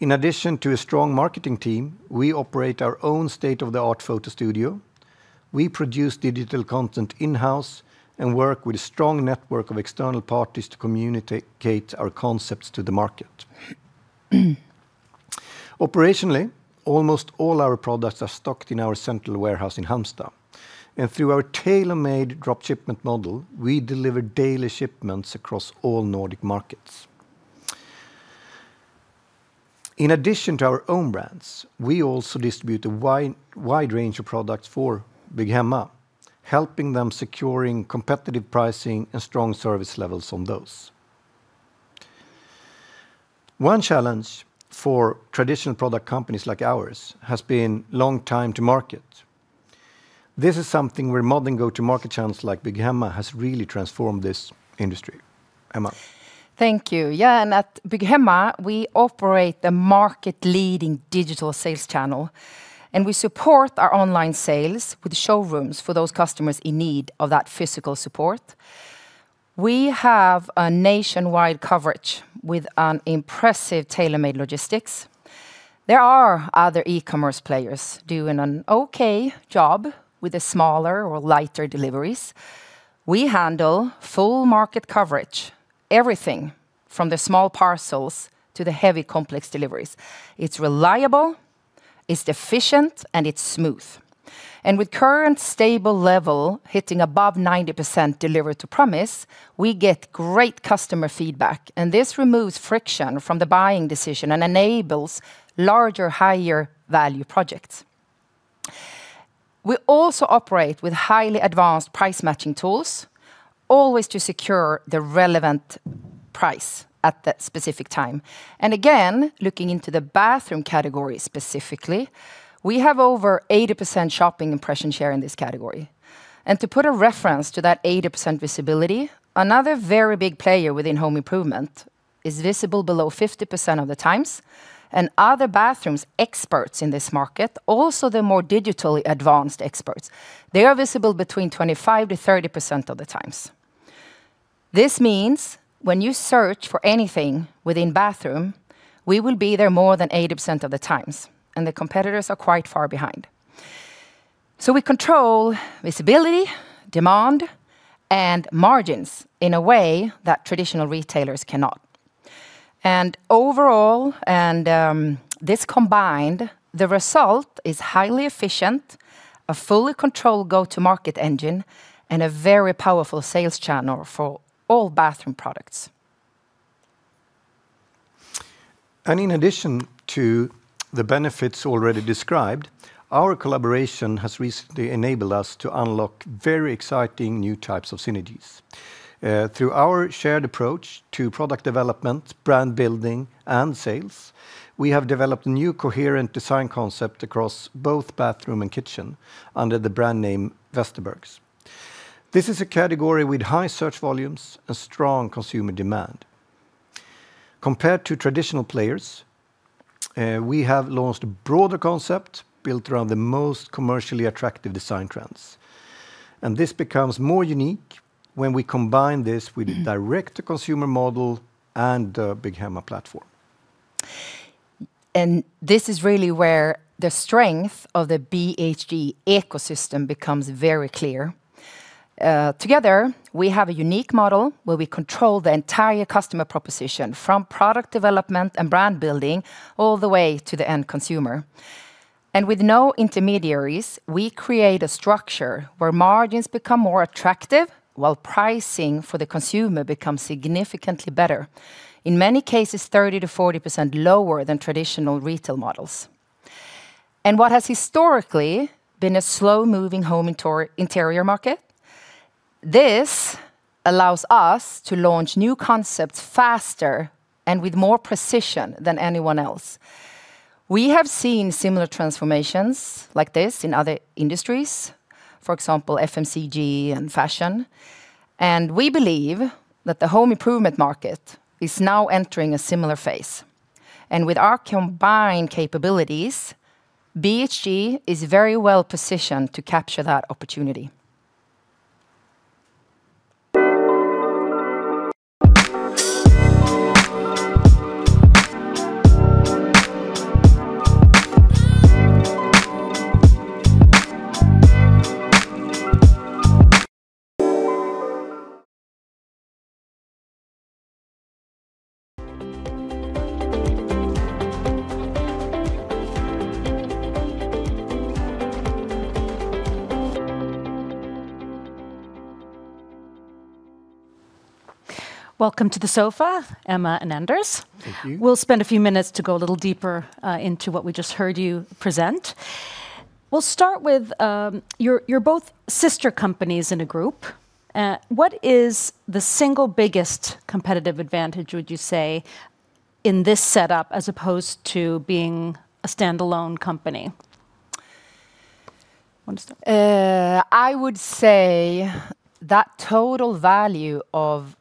In addition to a strong marketing team, we operate our own state-of-the-art photo studio. We produce digital content in-house and work with a strong network of external parties to communicate our concepts to the market. Operationally, almost all our products are stocked in our central warehouse in Halmstad, and through our tailor-made drop shipment model, we deliver daily shipments across all Nordic markets. In addition to our own brands, we also distribute a wide range of products for Bygghemma, helping them secure competitive pricing and strong service levels on those. One challenge for traditional product companies like ours has been long time to market. This is something where modern go-to-market channels like Bygghemma have really transformed this industry. Emma? Thank you. Yeah, at Bygghemma we operate the market-leading digital sales channel, and we support our online sales with showrooms for those customers in need of that physical support. We have a nationwide coverage with an impressive tailor-made logistics. There are other e-commerce players doing an okay job with the smaller or lighter deliveries. We handle full market coverage, everything from the small parcels to the heavy, complex deliveries. It's reliable, it's efficient, and it's smooth. With current stable level hitting above 90% deliver to promise, we get great customer feedback, and this removes friction from the buying decision and enables larger, higher value projects. We also operate with highly advanced price matching tools, always to secure the relevant price at that specific time. Again, looking into the bathroom category specifically, we have over 80% shopping impression share in this category. To put a reference to that 80% visibility, another very big player within home improvement is visible below 50% of the times, and other bathroom experts in this market, also the more digitally advanced experts, they are visible between 25%-30% of the times. This means when you search for anything within bathroom, we will be there more than 80% of the times, and the competitors are quite far behind. We control visibility, demand, and margins in a way that traditional retailers cannot. Overall, this combined, the result is highly efficient, a fully controlled go-to-market engine, and a very powerful sales channel for all bathroom products. In addition to the benefits already described, our collaboration has recently enabled us to unlock very exciting new types of synergies. Through our shared approach to product development, brand building, and sales, we have developed a new coherent design concept across both bathroom and kitchen under the brand name Westerbergs. This is a category with high search volumes and strong consumer demand. Compared to traditional players, we have launched a broader concept built around the most commercially attractive design trends. This becomes more unique when we combine this with a direct-to-consumer model and Bygghemma platform. This is really where the strength of the BHG ecosystem becomes very clear. Together, we have a unique model where we control the entire customer proposition from product development and brand building all the way to the end consumer. With no intermediaries, we create a structure where margins become more attractive while pricing for the consumer becomes significantly better, in many cases 30%-40% lower than traditional retail models. What has historically been a slow-moving home interior market, this allows us to launch new concepts faster and with more precision than anyone else. We have seen similar transformations like this in other industries, for example, FMCG and fashion, and we believe that the home improvement market is now entering a similar phase. With our combined capabilities, BHG is very well positioned to capture that opportunity. Welcome to the sofa, Emma and Anders. Thank you. We'll spend a few minutes to go a little deeper into what we just heard you present. We'll start with you're both sister companies in a group. What is the single biggest competitive advantage, would you say, in this setup as opposed to being a standalone company? Want to start? I would say that total value of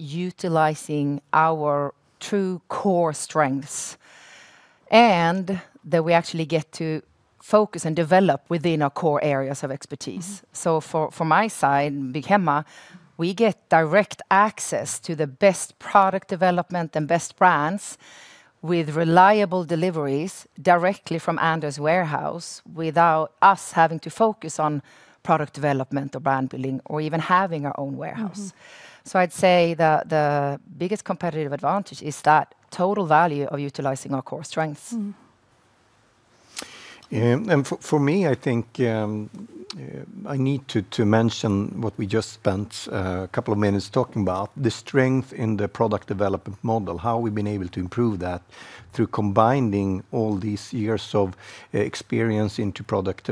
utilizing our two core strengths and that we actually get to focus and develop within our core areas of expertise. Mm-hmm. For my side, Bygghemma, we get direct access to the best product development and best brands with reliable deliveries directly from Anders' warehouse without us having to focus on product development or brand building or even having our own warehouse. Mm-hmm. I'd say the biggest competitive advantage is that total value of utilizing our core strengths. Mm-hmm. For me, I think I need to mention what we just spent a couple of minutes talking about, the strength in the product development model, how we've been able to improve that through combining all these years of experience into product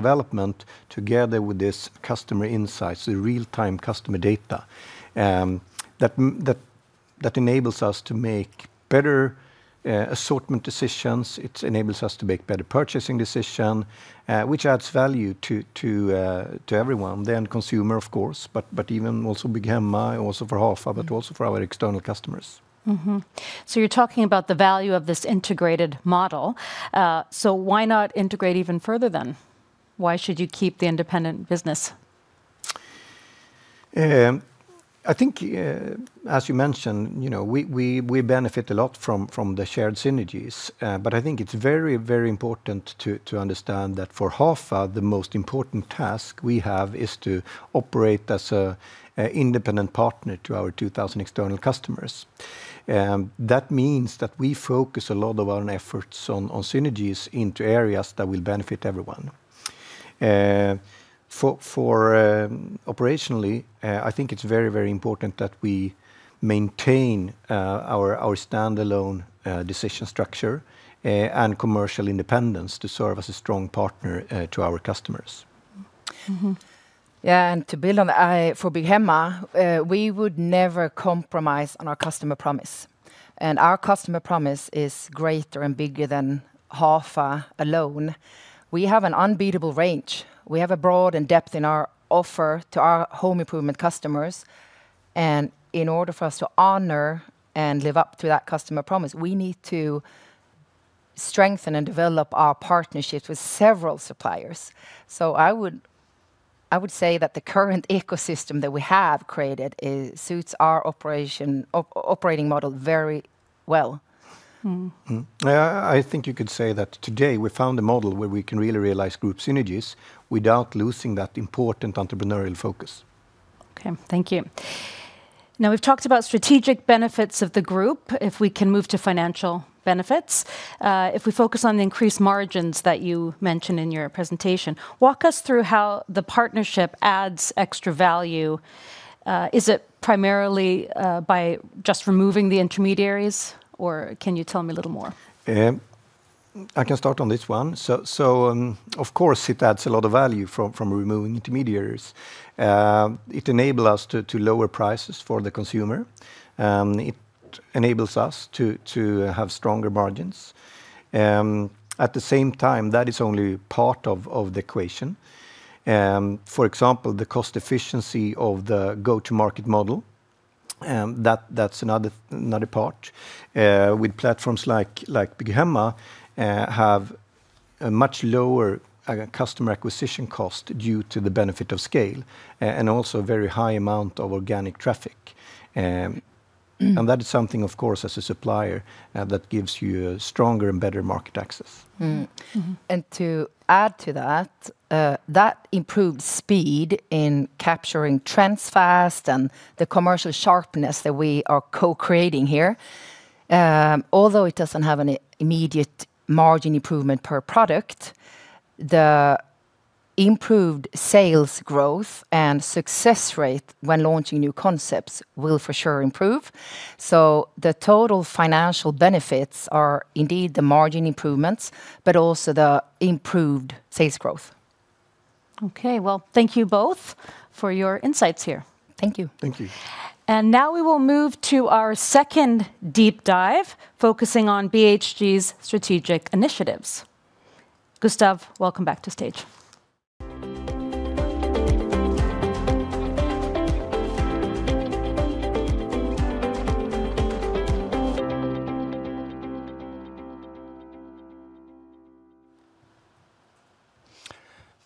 development together with this customer insights, the real-time customer data, that enables us to make better assortment decisions. It enables us to make better purchasing decision, which adds value to everyone. The end consumer, of course, but even also Bygghemma, also for Hafa- Mm-hmm also for our external customers. You're talking about the value of this integrated model. Why not integrate even further then? Why should you keep the independent business? I think, as you mentioned, you know, we benefit a lot from the shared synergies. I think it's very, very important to understand that for Hafa, the most important task we have is to operate as an independent partner to our 2,000 external customers. That means that we focus a lot of our efforts on synergies into areas that will benefit everyone. Operationally, I think it's very, very important that we maintain our standalone decision structure and commercial independence to serve as a strong partner to our customers. Mm-hmm. Mm-hmm. To build on that, for Bygghemma, we would never compromise on our customer promise, and our customer promise is greater and bigger than Hafa alone. We have an unbeatable range. We have a breadth and depth in our offer to our home improvement customers, and in order for us to honor and live up to that customer promise, we need to strengthen and develop our partnerships with several suppliers. I would say that the current ecosystem that we have created suits our operating model very well. Mm-hmm. I think you could say that today we found a model where we can really realize group synergies without losing that important entrepreneurial focus. Okay, thank you. Now we've talked about strategic benefits of the group, if we can move to financial benefits. If we focus on the increased margins that you mentioned in your presentation, walk us through how the partnership adds extra value. Is it primarily, by just removing the intermediaries, or can you tell me a little more? I can start on this one. Of course, it adds a lot of value from removing intermediaries. It enable us to lower prices for the consumer. It enables us to have stronger margins. At the same time, that is only part of the equation. For example, the cost efficiency of the go-to-market model, that's another part. With platforms like Bygghemma have a much lower customer acquisition cost due to the benefit of scale, and also a very high amount of organic traffic. That is something, of course, as a supplier, that gives you a stronger and better market access. Mm-hmm. Mm-hmm. To add to that improves speed in capturing trends fast and the commercial sharpness that we are co-creating here. Although it doesn't have an immediate margin improvement per product, the improved sales growth and success rate when launching new concepts will for sure improve. The total financial benefits are indeed the margin improvements, but also the improved sales growth. Okay. Well, thank you both for your insights here. Thank you. Thank you. Now we will move to our second deep dive, focusing on BHG's strategic initiatives. Gustaf Öhrn, welcome back to stage.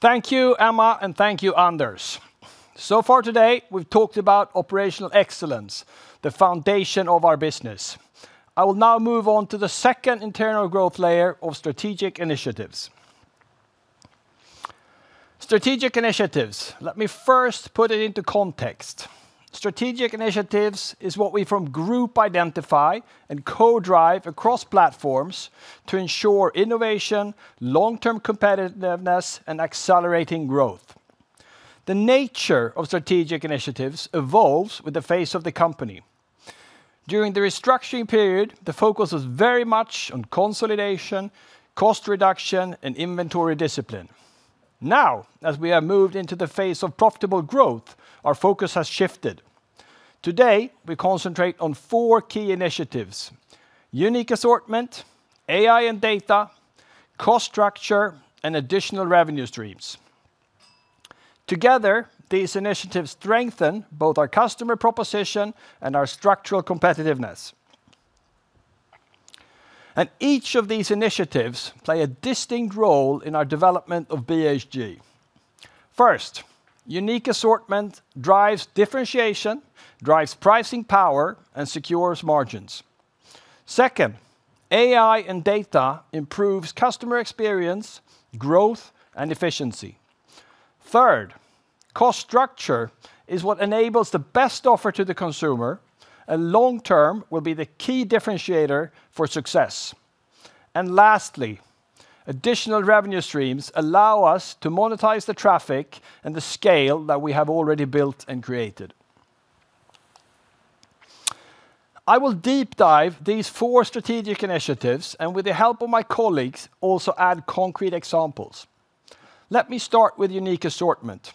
Thank you, Emma, and thank you, Anders. So far today, we've talked about operational excellence, the foundation of our business. I will now move on to the second internal growth layer of strategic initiatives. Strategic initiatives, let me first put it into context. Strategic initiatives is what we from group identify and co-drive across platforms to ensure innovation, long-term competitiveness, and accelerating growth. The nature of strategic initiatives evolves with the pace of the company. During the restructuring period, the focus was very much on consolidation, cost reduction, and inventory discipline. Now, as we have moved into the phase of profitable growth, our focus has shifted. Today, we concentrate on four key initiatives, unique assortment, AI and data, cost structure, and additional revenue streams. Together, these initiatives strengthen both our customer proposition and our structural competitiveness. Each of these initiatives play a distinct role in our development of BHG. First, unique assortment drives differentiation, drives pricing power, and secures margins. Second, AI and data improves customer experience, growth, and efficiency. Third, cost structure is what enables the best offer to the consumer and long term will be the key differentiator for success. Lastly, additional revenue streams allow us to monetize the traffic and the scale that we have already built and created. I will deep dive these four strategic initiatives, and with the help of my colleagues, also add concrete examples. Let me start with unique assortment.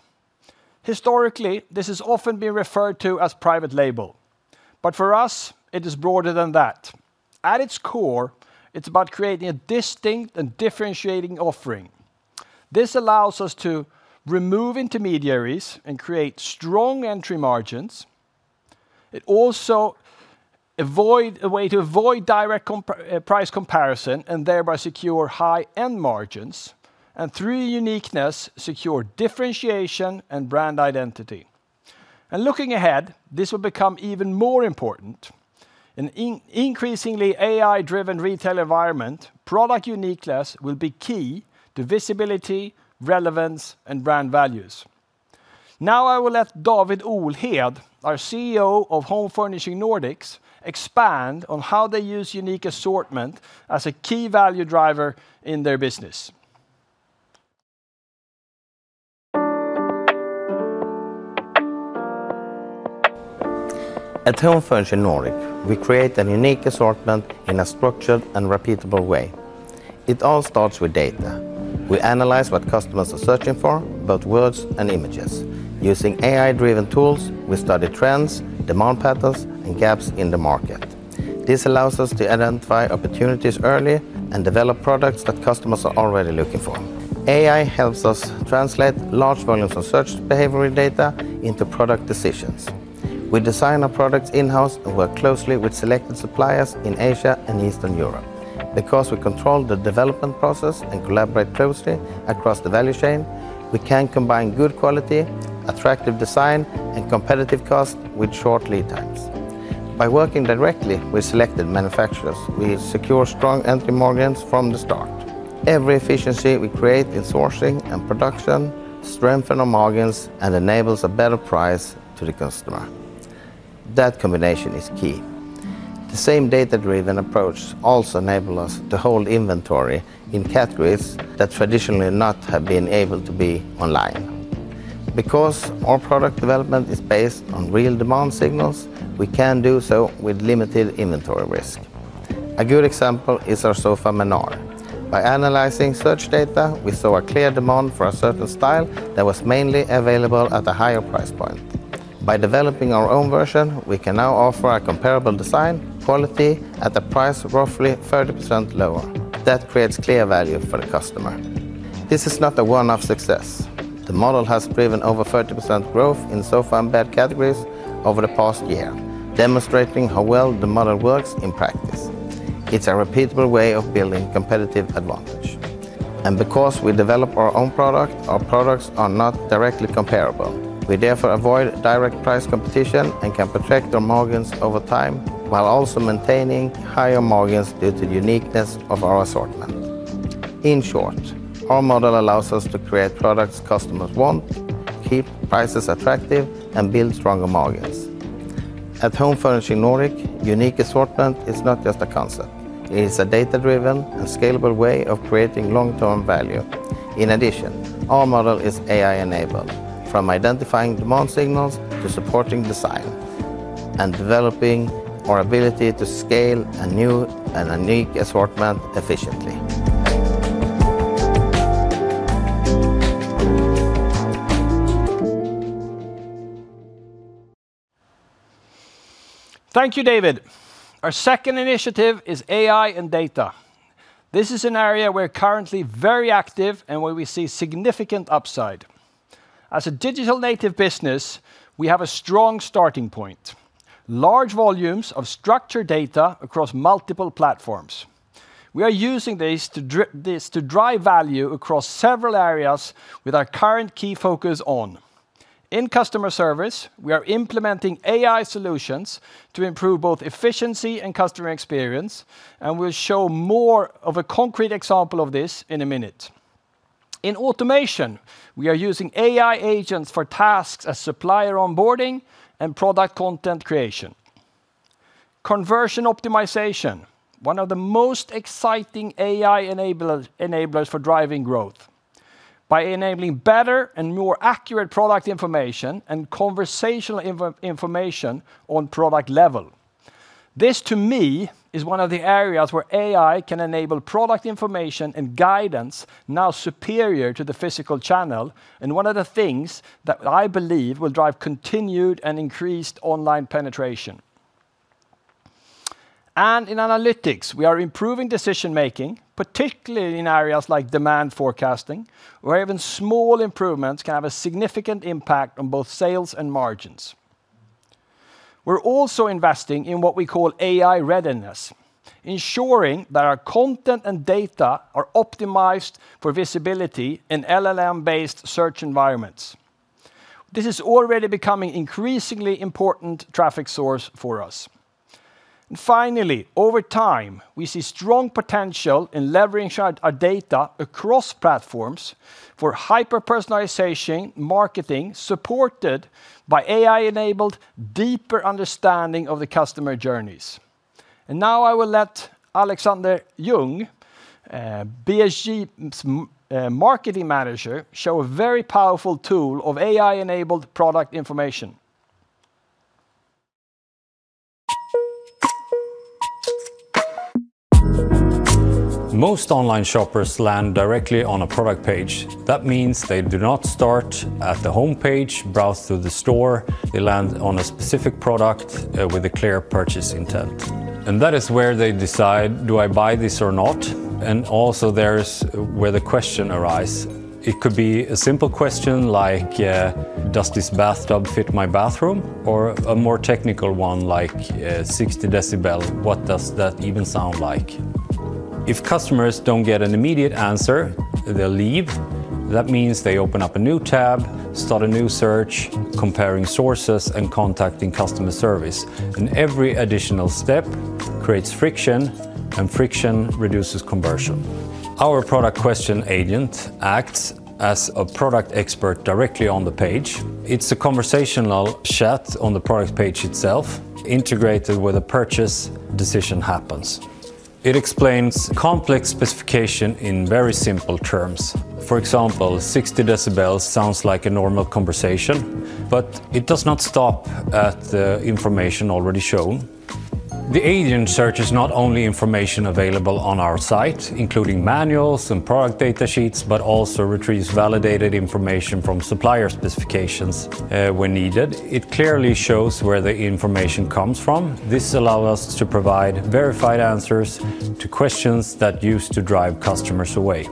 Historically, this has often been referred to as private label, but for us it is broader than that. At its core, it's about creating a distinct and differentiating offering. This allows us to remove intermediaries and create strong entry margins. It also avoids A way to avoid direct price comparison and thereby secure high-end margins, and through uniqueness, secure differentiation and brand identity. Looking ahead, this will become even more important. In an increasingly AI-driven retail environment, product uniqueness will be key to visibility, relevance, and brand values. Now I will let David Olhed, our CEO of Home Furnishing Nordic, expand on how they use unique assortment as a key value driver in their business. At Home Furnishing Nordic, we create a unique assortment in a structured and repeatable way. It all starts with data. We analyze what customers are searching for, both words and images. Using AI-driven tools, we study trends, demand patterns, and gaps in the market. This allows us to identify opportunities early and develop products that customers are already looking for. AI helps us translate large volumes of search behavior data into product decisions. We design our products in-house and work closely with selected suppliers in Asia and Eastern Europe. Because we control the development process and collaborate closely across the value chain, we can combine good quality, attractive design, and competitive cost with short lead times. By working directly with selected manufacturers, we secure strong entry margins from the start. Every efficiency we create in sourcing and production strengthen our margins and enables a better price to the customer. That combination is key. The same data-driven approach also enable us to hold inventory in categories that traditionally not have been able to be online. Because our product development is based on real demand signals, we can do so with limited inventory risk. A good example is our sofa, Manar. By analyzing search data, we saw a clear demand for a certain style that was mainly available at a higher price point. By developing our own version, we can now offer a comparable design, quality, at a price roughly 30% lower. That creates clear value for the customer. This is not a one-off success. The model has driven over 30% growth in sofa and bed categories over the past year, demonstrating how well the model works in practice. It's a repeatable way of building competitive advantage. Because we develop our own product, our products are not directly comparable. We therefore avoid direct price competition and can protect our margins over time, while also maintaining higher margins due to the uniqueness of our assortment. In short, our model allows us to create products customers want, keep prices attractive, and build stronger margins. At Home Furnishing Nordic, unique assortment is not just a concept, it is a data-driven and scalable way of creating long-term value. In addition, our model is AI-enabled from identifying demand signals to supporting design and developing our ability to scale a new and unique assortment efficiently. Thank you, David. Our second initiative is AI and data. This is an area we're currently very active and where we see significant upside. As a digital native business, we have a strong starting point, large volumes of structured data across multiple platforms. We are using this to drive value across several areas, with our current key focus on in customer service. We are implementing AI solutions to improve both efficiency and customer experience, and we'll show more of a concrete example of this in a minute. In automation, we are using AI agents for tasks such as supplier onboarding and product content creation. Conversion optimization, one of the most exciting AI enablers for driving growth by enabling better and more accurate product information and conversational information on product level. This to me is one of the areas where AI can enable product information and guidance now superior to the physical channel, and one of the things that I believe will drive continued and increased online penetration. In analytics, we are improving decision-making, particularly in areas like demand forecasting, where even small improvements can have a significant impact on both sales and margins. We're also investing in what we call AI readiness, ensuring that our content and data are optimized for visibility in LLM-based search environments. This is already becoming increasingly important traffic source for us. Finally, over time, we see strong potential in leveraging our data across platforms for hyper-personalization marketing supported by AI-enabled deeper understanding of the customer journeys. Now I will let Alexander Ljung, BHG's marketing manager, show a very powerful tool of AI-enabled product information. Most online shoppers land directly on a product page. That means they do not start at the homepage, browse through the store. They land on a specific product with a clear purchase intent, and that is where they decide, "Do I buy this or not?" Also, that's where the question arises. It could be a simple question like, "Does this bathtub fit my bathroom?" Or a more technical one like, "60 decibel, what does that even sound like?" If customers don't get an immediate answer, they'll leave. That means they open up a new tab, start a new search, comparing sources and contacting customer service, and every additional step creates friction, and friction reduces conversion. Our product question agent acts as a product expert directly on the page. It's a conversational chat on the product page itself, integrated where the purchase decision happens. It explains complex specification in very simple terms. For example, 60 decibels sounds like a normal conversation, but it does not stop at the information already shown. The agent searches not only information available on our site, including manuals and product data sheets, but also retrieves validated information from supplier specifications, when needed. It clearly shows where the information comes from. This allow us to provide verified answers to questions that used to drive customers away.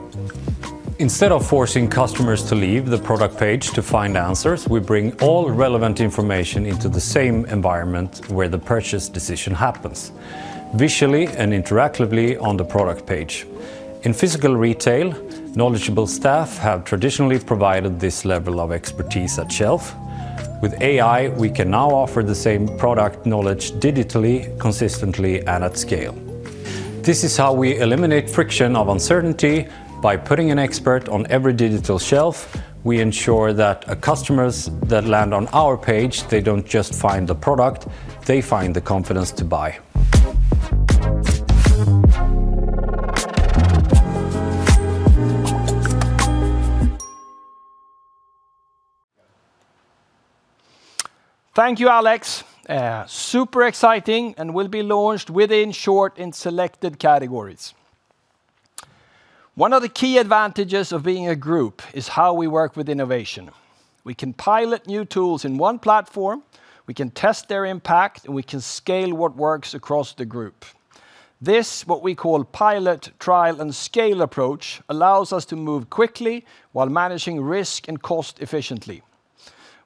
Instead of forcing customers to leave the product page to find answers, we bring all relevant information into the same environment where the purchase decision happens, visually and interactively on the product page. In physical retail, knowledgeable staff have traditionally provided this level of expertise at shelf. With AI, we can now offer the same product knowledge digitally, consistently, and at scale. This is how we eliminate friction of uncertainty by putting an expert on every digital shelf. We ensure that customers that land on our page, they don't just find the product, they find the confidence to buy. Thank you, Alex. Super exciting and will be launched within short in selected categories. One of the key advantages of being a group is how we work with innovation. We can pilot new tools in one platform, we can test their impact, and we can scale what works across the group. This, what we call pilot, trial, and scale approach, allows us to move quickly while managing risk and cost efficiently.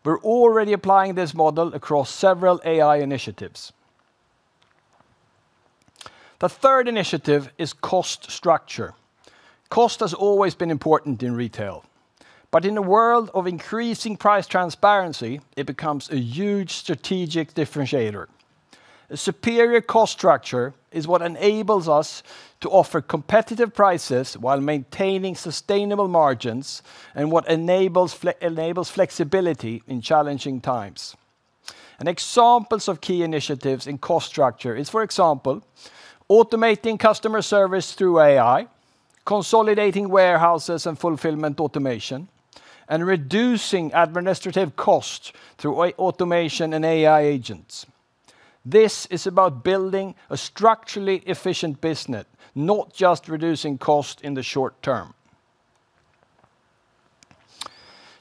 We're already applying this model across several AI initiatives. The third initiative is cost structure. Cost has always been important in retail. In a world of increasing price transparency, it becomes a huge strategic differentiator. A superior cost structure is what enables us to offer competitive prices while maintaining sustainable margins and what enables enables flexibility in challenging times. Examples of key initiatives in cost structure is, for example, automating customer service through AI, consolidating warehouses and fulfillment automation, and reducing administrative costs through automation and AI agents. This is about building a structurally efficient business, not just reducing cost in the short term.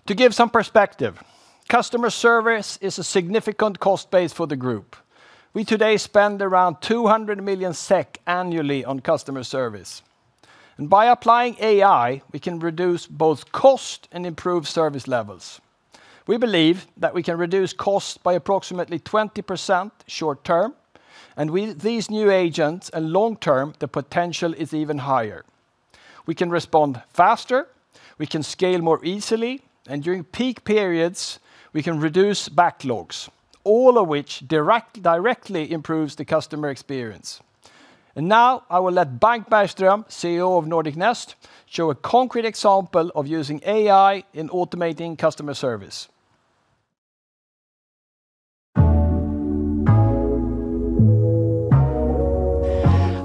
To give some perspective, customer service is a significant cost base for the group. We today spend around 200 million SEK annually on customer service. By applying AI, we can reduce both cost and improve service levels. We believe that we can reduce costs by approximately 20% short term, and with these new agents and long term, the potential is even higher. We can respond faster, we can scale more easily, and during peak periods, we can reduce backlogs, all of which directly improves the customer experience. Now I will let Bank Bergström, CEO of Nordic Nest, show a concrete example of using AI in automating customer service.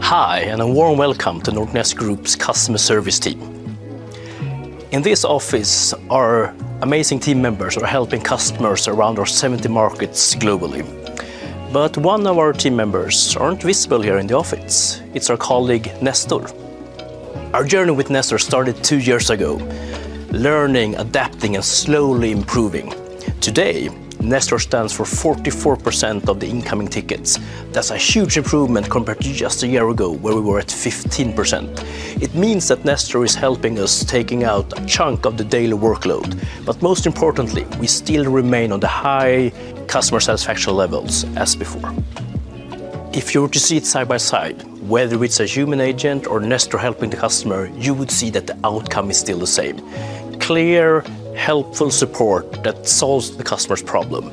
Hi, a warm welcome to Nordic Nest Group's customer service team. In this office, our amazing team members are helping customers around our 70 markets globally. One of our team members aren't visible here in the office. It's our colleague, Nestor. Our journey with Nestor started two years ago, learning, adapting, and slowly improving. Today, Nestor stands for 44% of the incoming tickets. That's a huge improvement compared to just a year ago, where we were at 15%. It means that Nestor is helping us taking out a chunk of the daily workload. Most importantly, we still remain on the high customer satisfaction levels as before. If you were to see it side by side, whether it's a human agent or Nestor helping the customer, you would see that the outcome is still the same. Clear, helpful support that solves the customer's problem.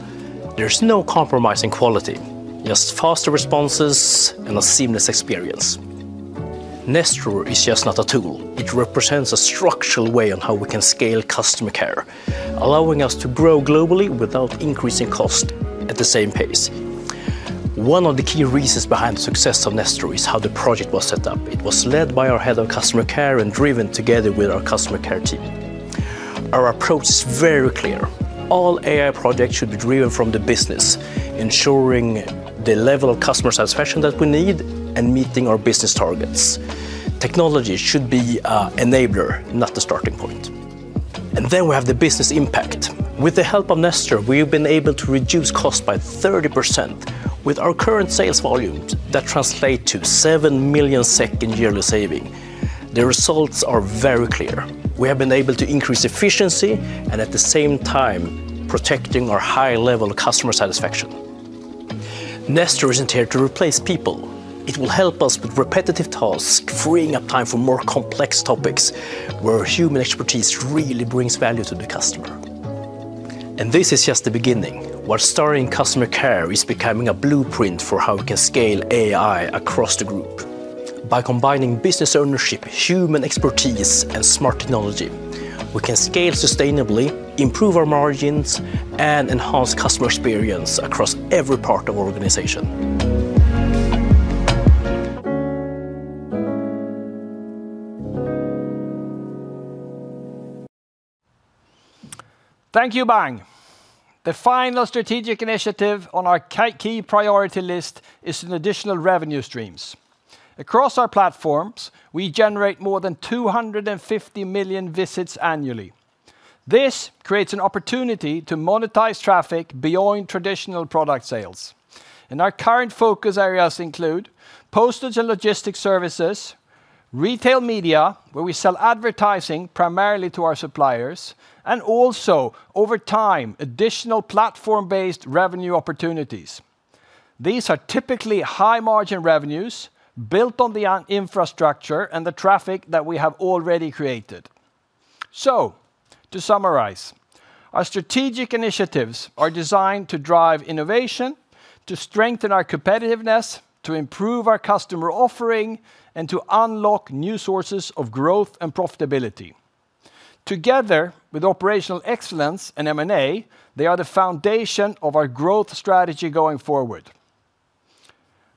There's no compromising quality, just faster responses and a seamless experience. Nestor is just not a tool. It represents a structural way on how we can scale customer care, allowing us to grow globally without increasing cost at the same pace. One of the key reasons behind the success of Nestor is how the project was set up. It was led by our head of customer care and driven together with our customer care team. Our approach is very clear. All AI projects should be driven from the business, ensuring the level of customer satisfaction that we need and meeting our business targets. Technology should be enabler, not the starting point. We have the business impact. With the help of Nestor, we've been able to reduce cost by 30% with our current sales volumes that translate to 7 million yearly saving. The results are very clear. We have been able to increase efficiency and at the same time protecting our high level of customer satisfaction. Nestor isn't here to replace people. It will help us with repetitive tasks, freeing up time for more complex topics where human expertise really brings value to the customer. This is just the beginning. What started in customer care is becoming a blueprint for how we can scale AI across the group. By combining business ownership, human expertise, and smart technology, we can scale sustainably, improve our margins, and enhance customer experience across every part of our organization. Thank you, Bank. The final strategic initiative on our key priority list is in additional revenue streams. Across our platforms, we generate more than 250 million visits annually. This creates an opportunity to monetize traffic beyond traditional product sales. Our current focus areas include postage and logistics services, retail media, where we sell advertising primarily to our suppliers, and also over time, additional platform-based revenue opportunities. These are typically high-margin revenues built on the infrastructure and the traffic that we have already created. To summarize, our strategic initiatives are designed to drive innovation, to strengthen our competitiveness, to improve our customer offering, and to unlock new sources of growth and profitability. Together with operational excellence and M&A, they are the foundation of our growth strategy going forward.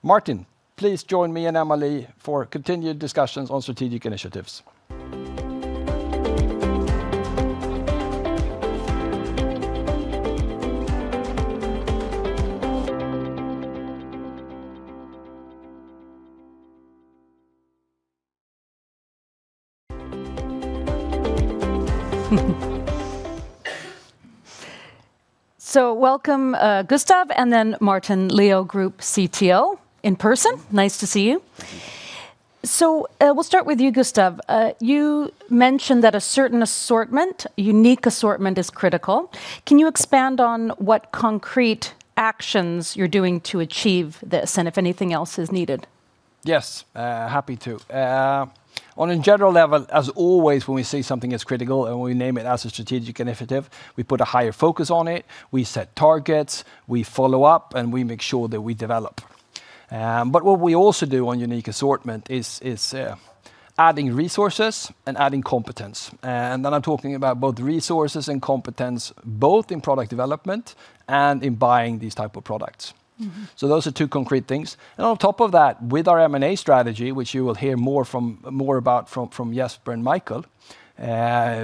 Martin, please join me and Emily for continued discussions on strategic initiatives. Welcome, Gustaf Öhrn and then Martin Leo, Group CTO in person. Nice to see you. We'll start with you, Gustaf Öhrn. You mentioned that a certain assortment, unique assortment is critical. Can you expand on what concrete actions you're doing to achieve this, and if anything else is needed? Yes, happy to. On a general level, as always, when we say something is critical and we name it as a strategic initiative, we put a higher focus on it, we set targets, we follow up, and we make sure that we develop. What we also do on unique assortment is adding resources and adding competence, and then I'm talking about both resources and competence, both in product development and in buying these type of products. Mm-hmm. Those are two concrete things. On top of that, with our M&A strategy, which you will hear more about from Jesper and Mikael,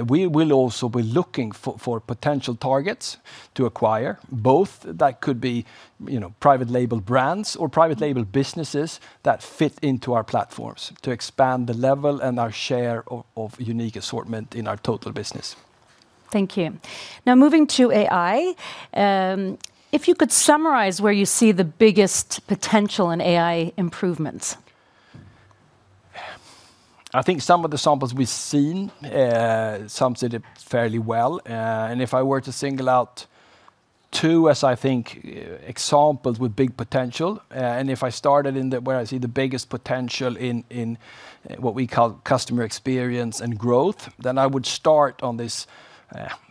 we will also be looking for potential targets to acquire, both that could be, you know, private label brands or private label businesses that fit into our platforms to expand the leverage and our share of unique assortment in our total business. Thank you. Now moving to AI, if you could summarize where you see the biggest potential in AI improvements. I think some of the samples we've seen sums it up fairly well, and if I were to single out two as I think examples with big potential, and if I started in the where I see the biggest potential in what we call customer experience and growth, then I would start on this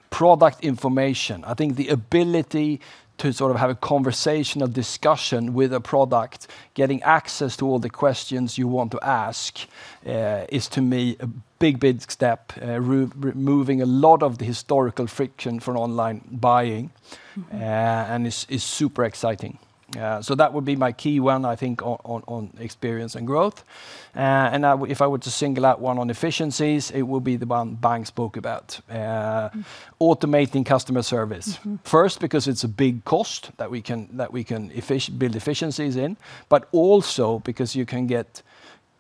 product information. I think the ability to sort of have a conversation, a discussion with a product, getting access to all the questions you want to ask is to me a big step removing a lot of the historical friction for online buying. Mm-hmm is super exciting. That would be my key one I think on experience and growth. If I were to single out one on efficiencies, it would be the one Bank spoke about. Mm-hmm automating customer service. Mm-hmm. First, because it's a big cost that we can build efficiencies in, but also because you can get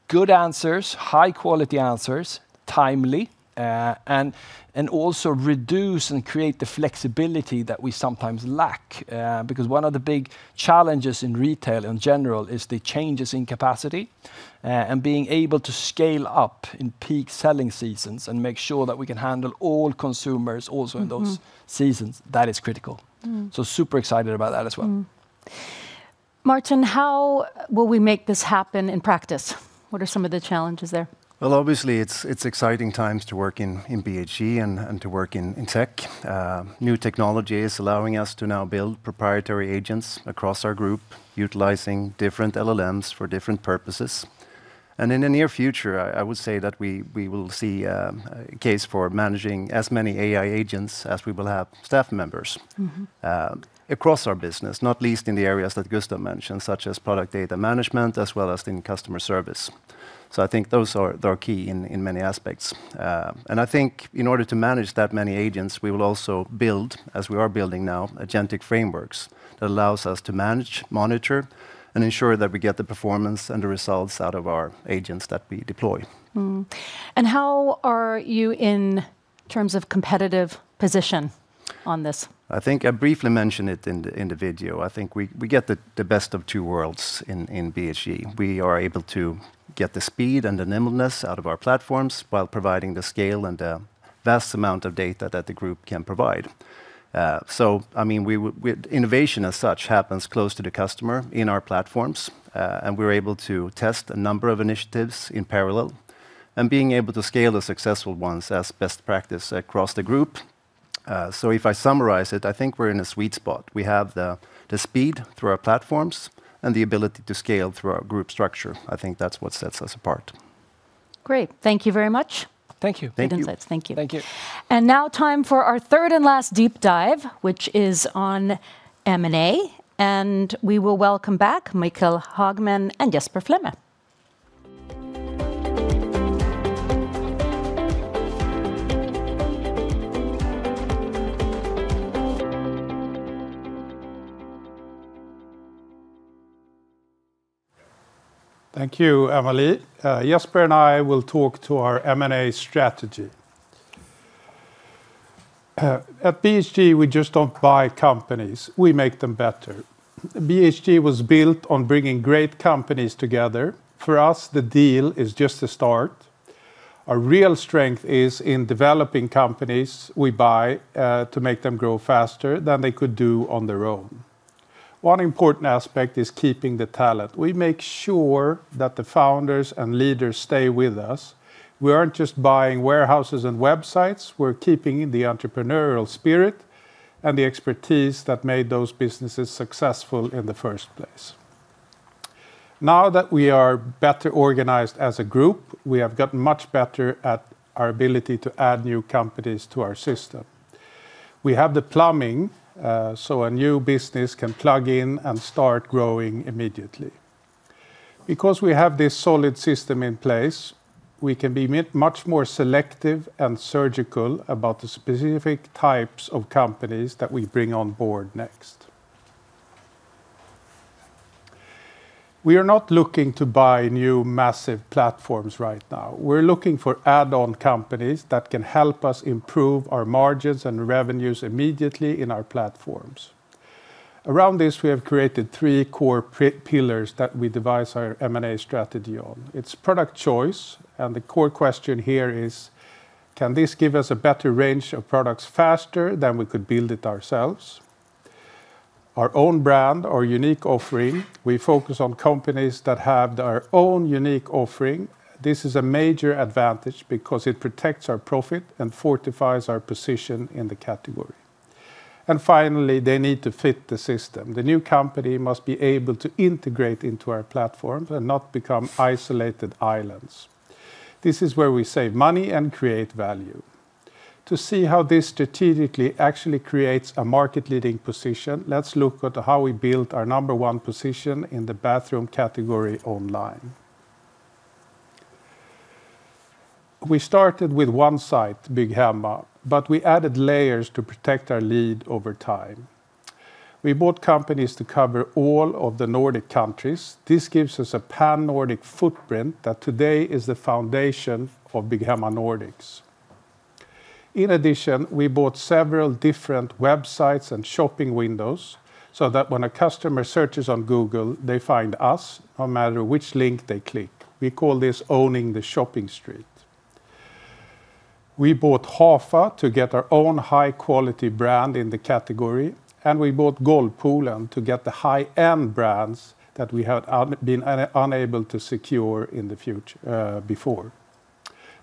good answers, high quality answers, timely, and also reduce and create the flexibility that we sometimes lack. Because one of the big challenges in retail in general is the changes in capacity, and being able to scale up in peak selling seasons and make sure that we can handle all consumers also in those- Mm-hmm seasons, that is critical. Mm-hmm. Super excited about that as well. Mm-hmm. Martin, how will we make this happen in practice? What are some of the challenges there? Well, obviously, it's exciting times to work in BHG and to work in tech. New technology is allowing us to now build proprietary agents across our group utilizing different LLMs for different purposes. In the near future, I would say that we will see a case for managing as many AI agents as we will have staff members. Mm-hmm Across our business, not least in the areas that Gustav mentioned, such as product data management, as well as in customer service. I think those are. They're key in many aspects. I think in order to manage that many agents, we will also build, as we are building now, agentic frameworks that allows us to manage, monitor, and ensure that we get the performance and the results out of our agents that we deploy. Mm-hmm. How are you in terms of competitive position on this? I think I briefly mentioned it in the video. I think we get the best of two worlds in BHG. We are able to get the speed and the nimbleness out of our platforms while providing the scale and the vast amount of data that the group can provide. I mean, innovation as such happens close to the customer in our platforms, and we're able to test a number of initiatives in parallel, and being able to scale the successful ones as best practice across the group. If I summarize it, I think we're in a sweet spot. We have the speed through our platforms and the ability to scale through our group structure. I think that's what sets us apart. Great. Thank you very much. Thank you. Thank you. Good insights. Thank you. Thank you. Now time for our third and last deep dive, which is on M&A, and we will welcome back Mikael Hagman and Jesper Flemme. Thank you, Emily. Jesper and I will talk about our M&A strategy. At BHG, we just don't buy companies, we make them better. BHG was built on bringing great companies together. For us, the deal is just the start. Our real strength is in developing companies we buy, to make them grow faster than they could do on their own. One important aspect is keeping the talent. We make sure that the founders and leaders stay with us. We aren't just buying warehouses and websites, we're keeping the entrepreneurial spirit and the expertise that made those businesses successful in the first place. Now that we are better organized as a group, we have gotten much better at our ability to add new companies to our system. We have the plumbing, so a new business can plug in and start growing immediately. Because we have this solid system in place, we can be much more selective and surgical about the specific types of companies that we bring on board next. We are not looking to buy new massive platforms right now. We're looking for add-on companies that can help us improve our margins and revenues immediately in our platforms. Around this, we have created three core pillars that we devise our M&A strategy on. It's product choice, and the core question here is, can this give us a better range of products faster than we could build it ourselves? Our own brand, our unique offering, we focus on companies that have their own unique offering. This is a major advantage because it protects our profit and fortifies our position in the category. Finally, they need to fit the system. The new company must be able to integrate into our platforms and not become isolated islands. This is where we save money and create value. To see how this strategically actually creates a market-leading position, let's look at how we built our number one position in the bathroom category online. We started with one site, Bygghemma, but we added layers to protect our lead over time. We bought companies to cover all of the Nordic countries. This gives us a pan-Nordic footprint that today is the foundation of Bygghemma Nordics. In addition, we bought several different websites and shopping windows, so that when a customer searches on Google, they find us no matter which link they click. We call this owning the shopping street. We bought Hafa to get our own high-quality brand in the category, and we bought Golvpoolen to get the high-end brands that we had been unable to secure before.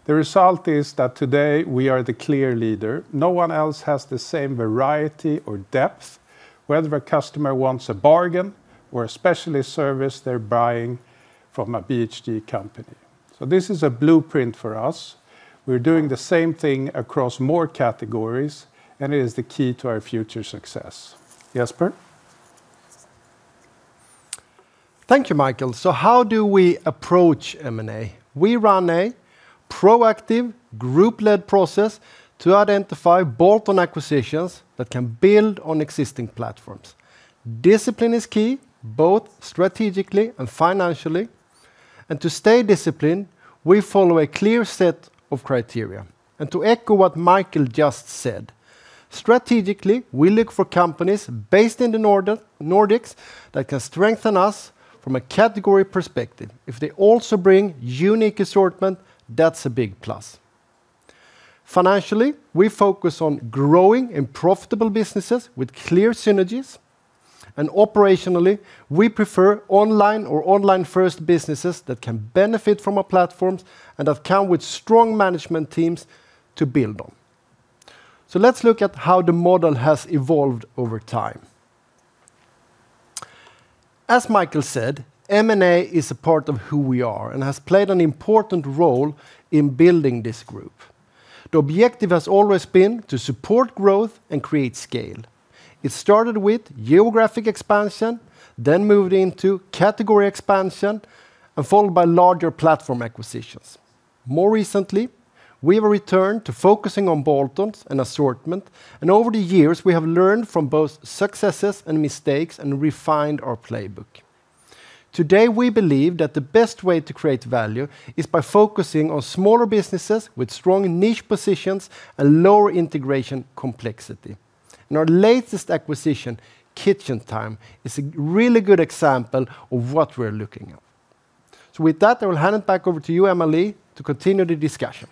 The result is that today we are the clear leader. No one else has the same variety or depth. Whether a customer wants a bargain or a specialty service they're buying from a BHG company. This is a blueprint for us. We're doing the same thing across more categories, and it is the key to our future success. Jesper? Thank you, Mikael. How do we approach M&A? We run a proactive group-led process to identify bolt-on acquisitions that can build on existing platforms. Discipline is key, both strategically and financially. To stay disciplined, we follow a clear set of criteria. To echo what Mikael just said, strategically, we look for companies based in the Nordics that can strengthen us from a category perspective. If they also bring unique assortment, that's a big plus. Financially, we focus on growing in profitable businesses with clear synergies. Operationally, we prefer online or online-first businesses that can benefit from our platforms and have come with strong management teams to build on. Let's look at how the model has evolved over time. As Mikael said, M&A is a part of who we are and has played an important role in building this group. The objective has always been to support growth and create scale. It started with geographic expansion, then moved into category expansion, and followed by larger platform acquisitions. More recently, we have returned to focusing on bolt-ons and assortment, and over the years, we have learned from both successes and mistakes and refined our playbook. Today, we believe that the best way to create value is by focusing on smaller businesses with strong niche positions and lower integration complexity. Our latest acquisition, KitchenTime, is a really good example of what we're looking at. With that, I will hand it back over to you, Emalee, to continue the discussion.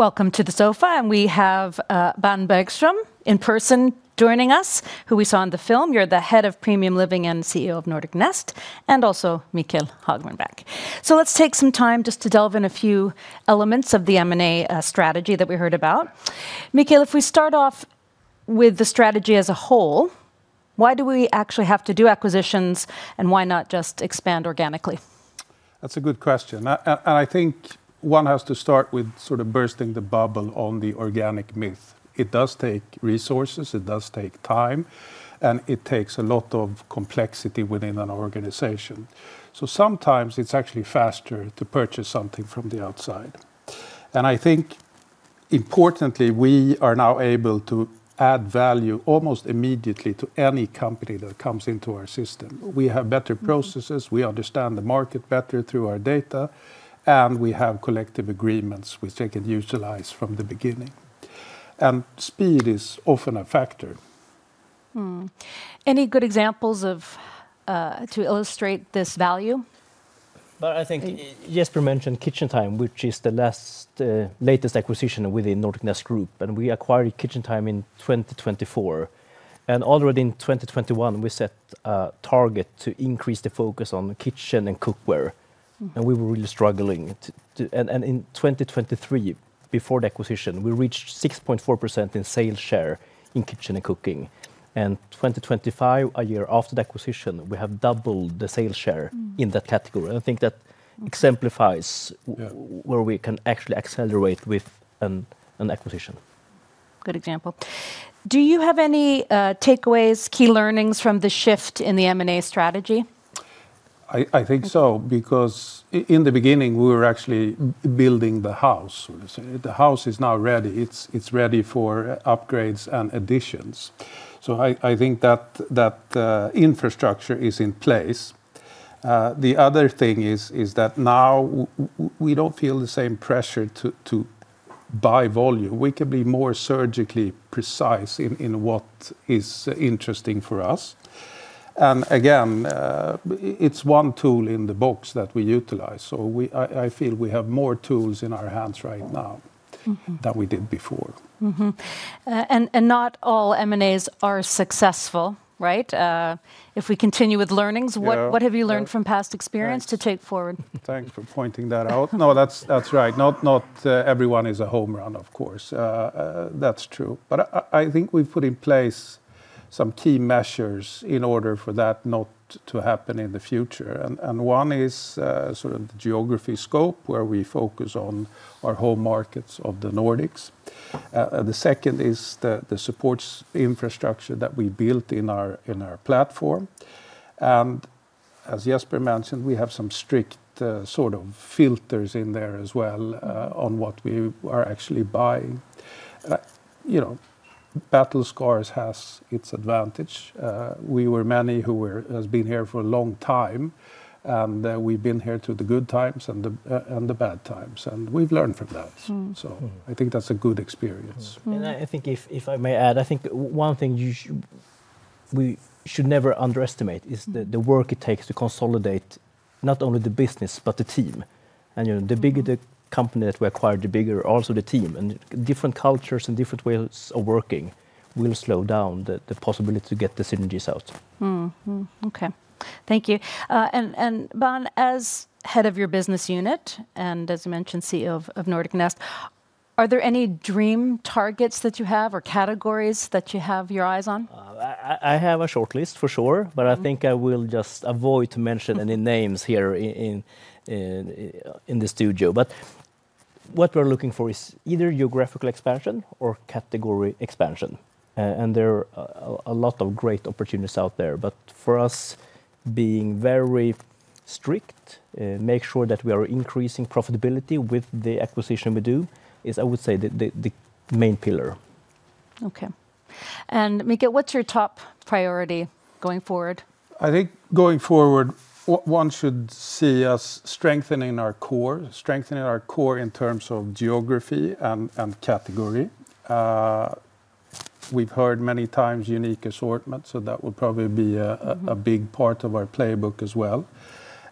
Welcome to the sofa, and we have Bank Bergström in person joining us, who we saw in the film. You're the Head of Premium Living and CEO of Nordic Nest, and also Mikael Hagman. Let's take some time just to delve in a few elements of the M&A strategy that we heard about. Mikael, if we start off with the strategy as a whole, why do we actually have to do acquisitions, and why not just expand organically? That's a good question. I think one has to start with sort of bursting the bubble on the organic myth. It does take resources, it does take time, and it takes a lot of complexity within an organization. Sometimes it's actually faster to purchase something from the outside. I think importantly, we are now able to add value almost immediately to any company that comes into our system. We have better processes, we understand the market better through our data, and we have collective agreements which they can utilize from the beginning. Speed is often a factor. Any good examples of to illustrate this value? I think Jesper mentioned KitchenTime, which is the latest acquisition within Nordic Nest Group, and we acquired KitchenTime in 2024. Already in 2021, we set a target to increase the focus on kitchen and cookware. We were really struggling in 2023, before the acquisition, we reached 6.4% in sales share in kitchen and cooking. In 2025, a year after the acquisition, we have doubled the sales share. Mm. In that category. I think that exemplifies. Mm. Yeah where we can actually accelerate with an acquisition. Good example. Do you have any, takeaways, key learnings from the shift in the M&A strategy? I think so, because in the beginning, we were actually building the house. The house is now ready. It's ready for upgrades and additions, so I think that infrastructure is in place. The other thing is that now we don't feel the same pressure to buy volume. We can be more surgically precise in what is interesting for us. Again, it's one tool in the box that we utilize. I feel we have more tools in our hands right now. Mm-hmm that we did before. Not all M&As are successful, right? If we continue with learnings. Yeah, yeah What have you learned from past experience to take forward? Thanks. Thanks for pointing that out. No, that's right. Not every one is a home run, of course. That's true. I think we've put in place some key measures in order for that not to happen in the future. One is sort of the geography scope, where we focus on our home markets of the Nordics. The second is the support infrastructure that we built in our platform. As Jesper mentioned, we have some strict sort of filters in there as well on what we are actually buying. You know, battle scars has its advantage. We were many who have been here for a long time, and we've been here through the good times and the bad times, and we've learned from that. Mm. Mm. I think that's a good experience. Mm. I think if I may add, I think one thing we should never underestimate is the work it takes to consolidate not only the business, but the team. You know, the bigger the company that we acquire, the bigger also the team, and different cultures and different ways of working will slow down the possibility to get the synergies out. Okay. Thank you. Bank, as head of your business unit, and as you mentioned, CEO of Nordic Nest, are there any dream targets that you have or categories that you have your eyes on? I have a shortlist for sure. Mm I think I will just avoid to mention any names here in the studio. What we're looking for is either geographical expansion or category expansion, and there are a lot of great opportunities out there. For us, being very strict, make sure that we are increasing profitability with the acquisition we do is I would say the main pillar. Okay. Mikael, what's your top priority going forward? I think going forward one should see us strengthening our core in terms of geography and category. We've heard many times unique assortment, so that would probably be a big part of our playbook as well.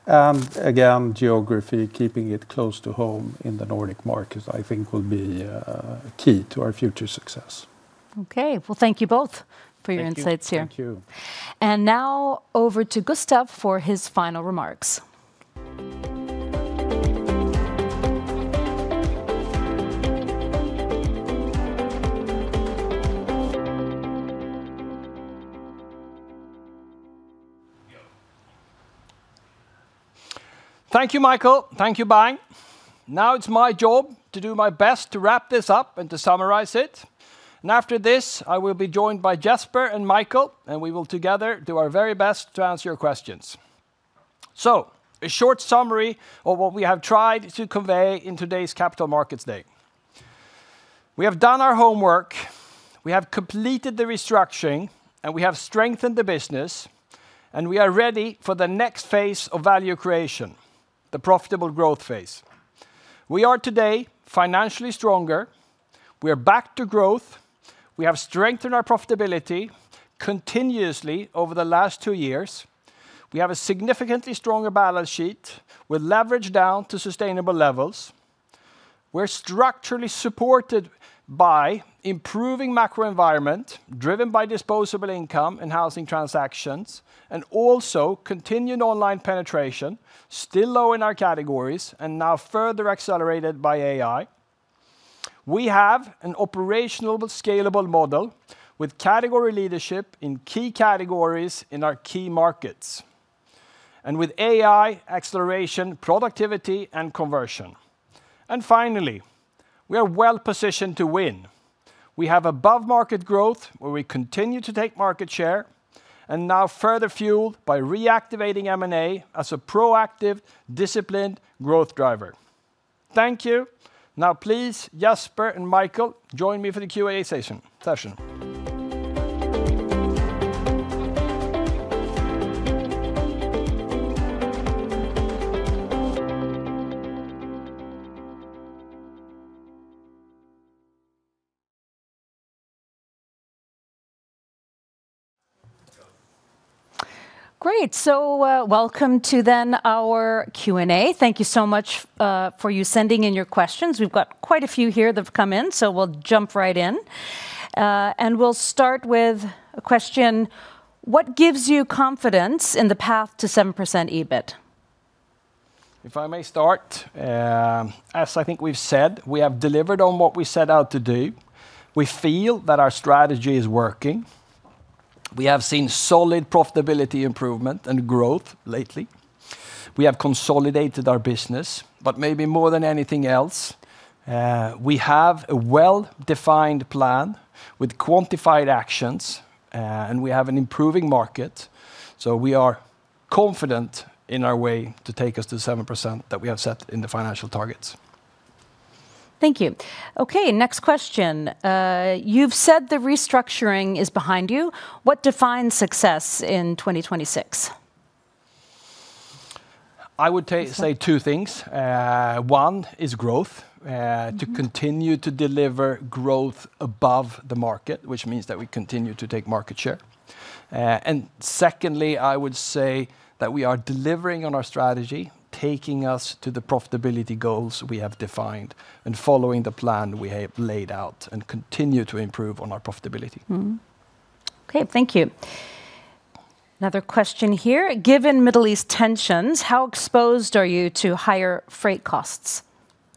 Again, geography, keeping it close to home in the Nordic markets I think will be key to our future success. Okay. Well, thank you both for your insights here. Thank you. Thank you. Now over to Gustaf for his final remarks. Thank you, Mikael. Thank you, Bank. Now it's my job to do my best to wrap this up and to summarize it. After this, I will be joined by Jesper and Mikael, and we will together do our very best to answer your questions. A short summary of what we have tried to convey in today's Capital Markets Day. We have done our homework, we have completed the restructuring, and we have strengthened the business, and we are ready for the next phase of value creation, the profitable growth phase. We are today financially stronger, we are back to growth, we have strengthened our profitability continuously over the last two years, we have a significantly stronger balance sheet with leverage down to sustainable levels. We're structurally supported by improving macro environment, driven by disposable income and housing transactions, and also continued online penetration, still low in our categories, and now further accelerated by AI. We have an operational, scalable model with category leadership in key categories in our key markets, and with AI acceleration, productivity, and conversion. Finally, we are well positioned to win. We have above-market growth, where we continue to take market share, and now further fueled by reactivating M&A as a proactive, disciplined growth driver. Thank you. Now please, Jesper and Mikael, join me for the Q&A session. Great. Welcome to then our Q&A. Thank you so much for you sending in your questions. We've got quite a few here that have come in, so we'll jump right in. We'll start with a question: what gives you confidence in the path to 7% EBIT? If I may start, as I think we've said, we have delivered on what we set out to do. We feel that our strategy is working. We have seen solid profitability improvement and growth lately. We have consolidated our business, but maybe more than anything else, we have a well-defined plan with quantified actions, and we have an improving market, so we are confident in our way to take us to 7% that we have set in the financial targets. Thank you. Okay, next question. You've said the restructuring is behind you. What defines success in 2026? I would ta- So-... say two things. One is growth, Mm-hmm To continue to deliver growth above the market, which means that we continue to take market share. Secondly, I would say that we are delivering on our strategy, taking us to the profitability goals we have defined, and following the plan we have laid out, and continue to improve on our profitability. Okay, thank you. Another question here: given Middle East tensions, how exposed are you to higher freight costs?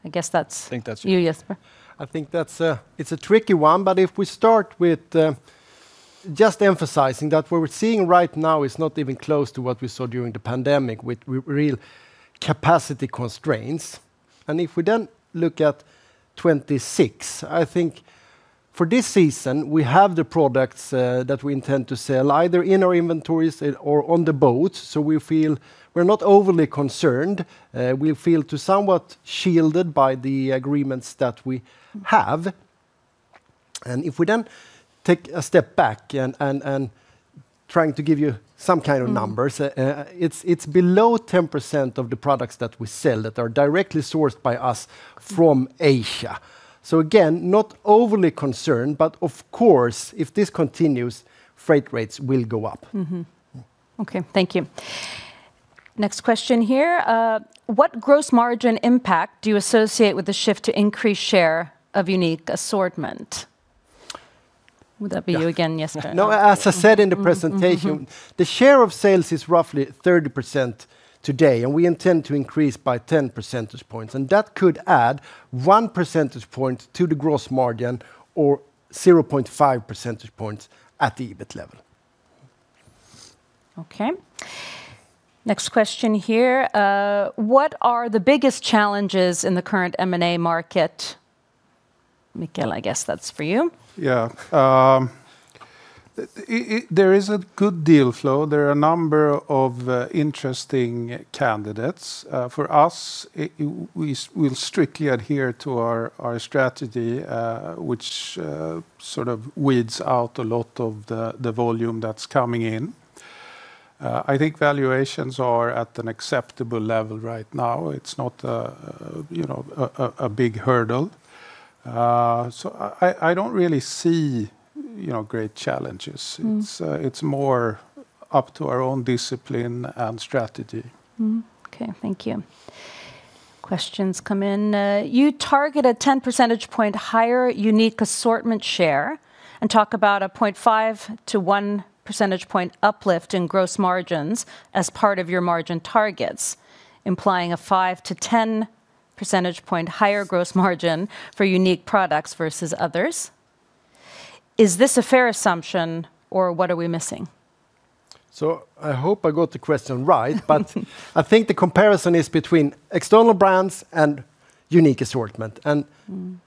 I think that's. you, Jesper. I think that's, it's a tricky one, but if we start with just emphasizing that what we're seeing right now is not even close to what we saw during the pandemic with real capacity constraints. If we don't look at 2026, I think for this season we have the products that we intend to sell, either in our inventories or on the boats, so we feel we're not overly concerned. We feel somewhat shielded by the agreements that we have. If we take a step back and try to give you some kind of numbers. Mm-hmm It's below 10% of the products that we sell that are directly sourced by us from Asia. Again, not overly concerned, but of course, if this continues, freight rates will go up. Mm-hmm. Mm. Okay, thank you. Next question here: what gross margin impact do you associate with the shift to increased share of unique assortment? Would that be you again, Jesper? No, as I said in the presentation. Mm-hmm. Mm-hmm The share of sales is roughly 30% today, and we intend to increase by 10 percentage points, and that could add 1 percentage point to the gross margin, or 0.5 percentage points at the EBIT level. Okay. Next question here: what are the biggest challenges in the current M&A market? Mikael, I guess that's for you. Yeah. There is a good deal flow. There are a number of interesting candidates for us. We strictly adhere to our strategy, which sort of weeds out a lot of the volume that's coming in. I think valuations are at an acceptable level right now. It's not, you know, a big hurdle. I don't really see, you know, great challenges. Mm. It's more up to our own discipline and strategy. Okay, thank you. Question's come in. You target a 10 percentage point higher unique assortment share, and talk about a 0.5-1 percentage point uplift in gross margins as part of your margin targets, implying a 5-10 percentage point higher gross margin for unique products versus others. Is this a fair assumption, or what are we missing? I hope I got the question right. I think the comparison is between external brands and unique assortment. Mm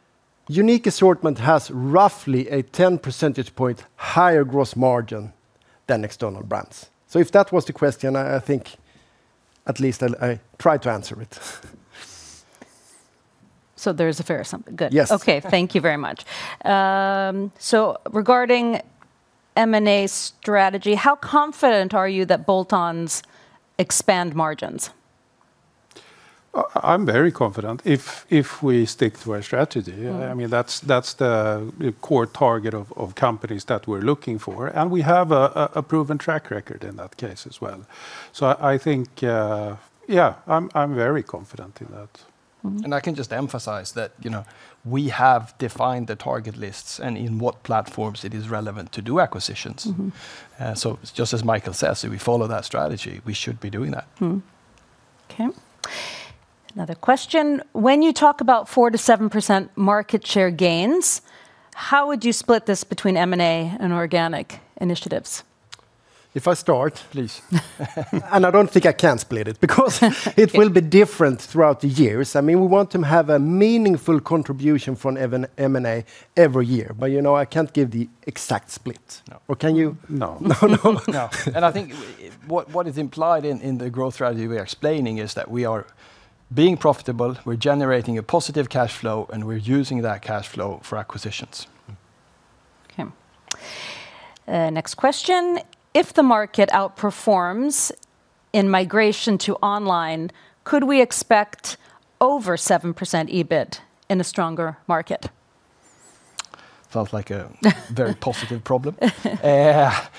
Unique assortment has roughly a 10 percentage point higher gross margin than external brands. If that was the question, I think at least I tried to answer it. There's a fair assumption. Good. Yes. Okay. Thank you very much. Regarding M&A strategy, how confident are you that bolt-ons expand margins? I'm very confident if we stick to our strategy. Yeah. I mean, that's the core target of companies that we're looking for. We have a proven track record in that case as well. I think, yeah, I'm very confident in that. Mm-hmm. I can just emphasize that, you know, we have defined the target lists and in what platforms it is relevant to do acquisitions. Mm-hmm. Just as Mikael says, if we follow that strategy, we should be doing that. Okay. Another question: When you talk about 4%-7% market share gains, how would you split this between M&A and organic initiatives? If I start. Please. I don't think I can split it because it will be different throughout the years. I mean, we want to have a meaningful contribution from an M&A every year but, you know, I can't give the exact split. No. Can you? No. No, no. No. I think what is implied in the growth strategy we are explaining is that we are being profitable, we're generating a positive cash flow, and we're using that cash flow for acquisitions. Okay. Next question. If the market outperforms in migration to online, could we expect over 7% EBIT in a stronger market? Very positive problem.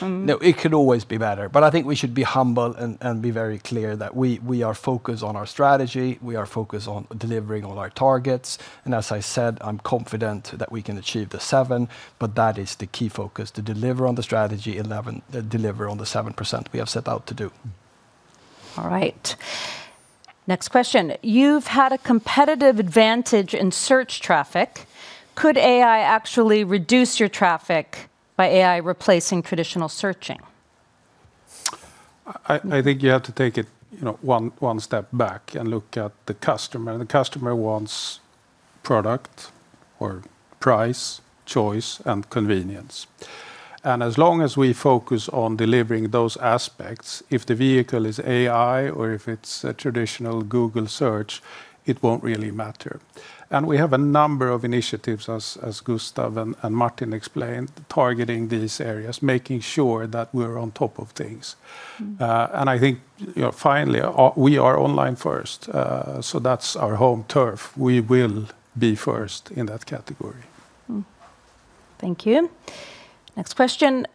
No, it could always be better, but I think we should be humble and be very clear that we are focused on our strategy, we are focused on delivering all our targets. As I said, I'm confident that we can achieve the 7%, but that is the key focus, to deliver on the strategy, deliver on the 7% we have set out to do. All right. Next question. You've had a competitive advantage in search traffic. Could AI actually reduce your traffic by AI replacing traditional searching? I think you have to take it, you know, one step back and look at the customer. The customer wants product or price, choice, and convenience. As long as we focus on delivering those aspects, if the vehicle is AI or if it's a traditional Google search, it won't really matter. We have a number of initiatives as Gustaf and Martin explained, targeting these areas, making sure that we're on top of things. Mm. I think, you know, finally, we are online first. That's our home turf. We will be first in that category. Thank you. Next question.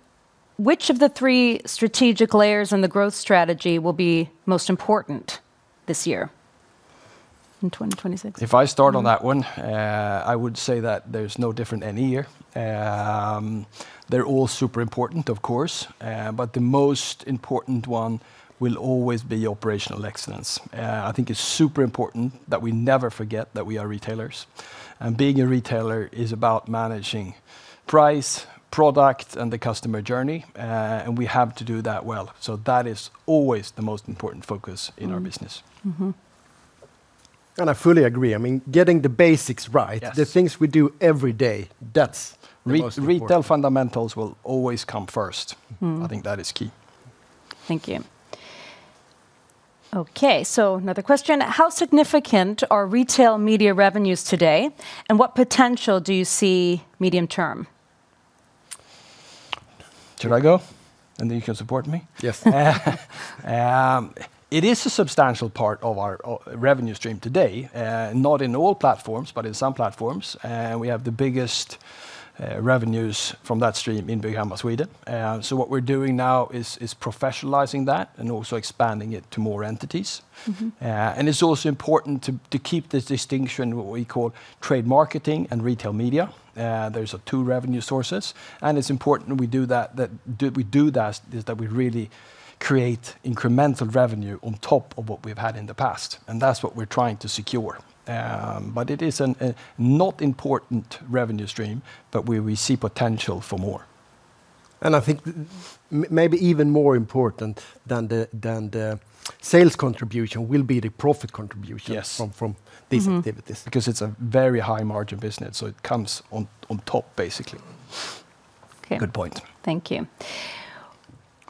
Which of the three strategic layers in the growth strategy will be most important this year, in 2026? If I start on that one. Mm I would say that there's no difference any year. They're all super important, of course. But the most important one will always be operational excellence. I think it's super important that we never forget that we are retailers, and being a retailer is about managing price, product, and the customer journey. We have to do that well. That is always the most important focus in our business. Mm-hmm. I fully agree. I mean, getting the basics right- Yes the things we do every day, that's Most important. Retail fundamentals will always come first. Mm. I think that is key. Thank you. Okay, another question. How significant are retail media revenues today, and what potential do you see medium term? Should I go, and then you can support me? Yes. It is a substantial part of our revenue stream today, not in all platforms, but in some platforms. We have the biggest revenues from that stream in Bygghemma Sweden. What we're doing now is professionalizing that and also expanding it to more entities. Mm-hmm. It's also important to keep this distinction what we call trade marketing and retail media. Those are two revenue sources, and it's important we do that is, that we really create incremental revenue on top of what we've had in the past, and that's what we're trying to secure. It is a not unimportant revenue stream, but we see potential for more. I think maybe even more important than the sales contribution will be the profit contribution. Yes from these activities. Mm-hmm. Because it's a very high margin business, so it comes on top, basically. Okay. Good point. Thank you.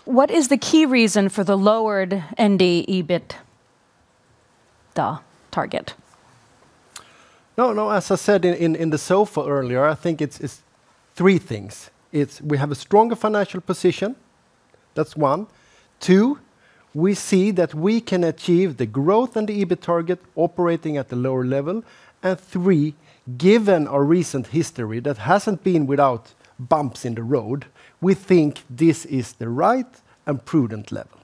What is the key reason for the lowered EBITDA target? No, no, as I said earlier, I think it's three things. We have a stronger financial position, that's one. Two, we see that we can achieve the growth and the EBIT target operating at the lower level. Three, given our recent history, that hasn't been without bumps in the road, we think this is the right and prudent level.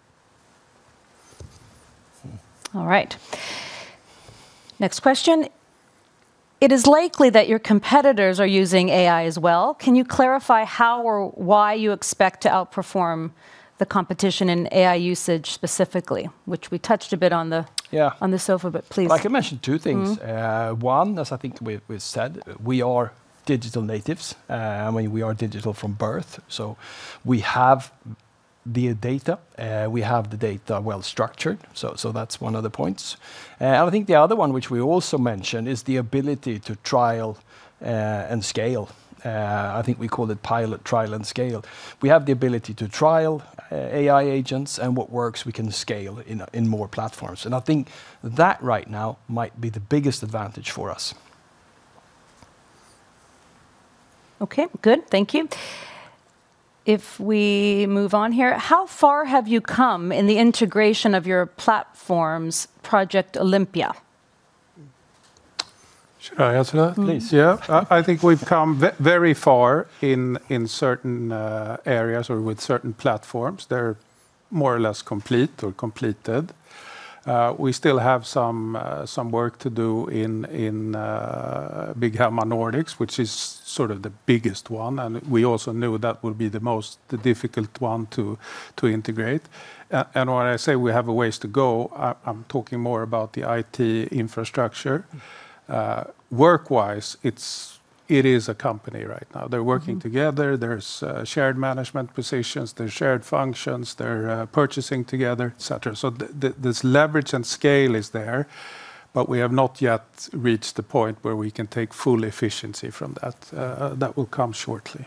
All right. Next question. It is likely that your competitors are using AI as well. Can you clarify how or why you expect to outperform the competition in AI usage specifically? Which we touched a bit on the Yeah on the sofa, but please. I can mention two things. Mm. One, as I think we've said, we are digital natives. I mean, we are digital from birth, so we have the data. We have the data well structured, so that's one of the points. I think the other one which we also mentioned is the ability to trial and scale. I think we call it pilot, trial, and scale. We have the ability to trial AI agents, and what works we can scale in more platforms. I think that right now might be the biggest advantage for us. Okay. Good. Thank you. If we move on here, how far have you come in the integration of your platforms, Project Olympia? Should I answer that? Mm. Yeah. I think we've come very far in certain areas or with certain platforms. They're more or less complete or completed. We still have some work to do in Bygghemma Nordics, which is sort of the biggest one, and we also knew that would be the most difficult one to integrate. When I say we have a ways to go, I'm talking more about the IT infrastructure. Work-wise, it is a company right now. Mm. They're working together. There's shared management positions. There's shared functions. They're purchasing together, et cetera. This leverage and scale is there, but we have not yet reached the point where we can take full efficiency from that. That will come shortly.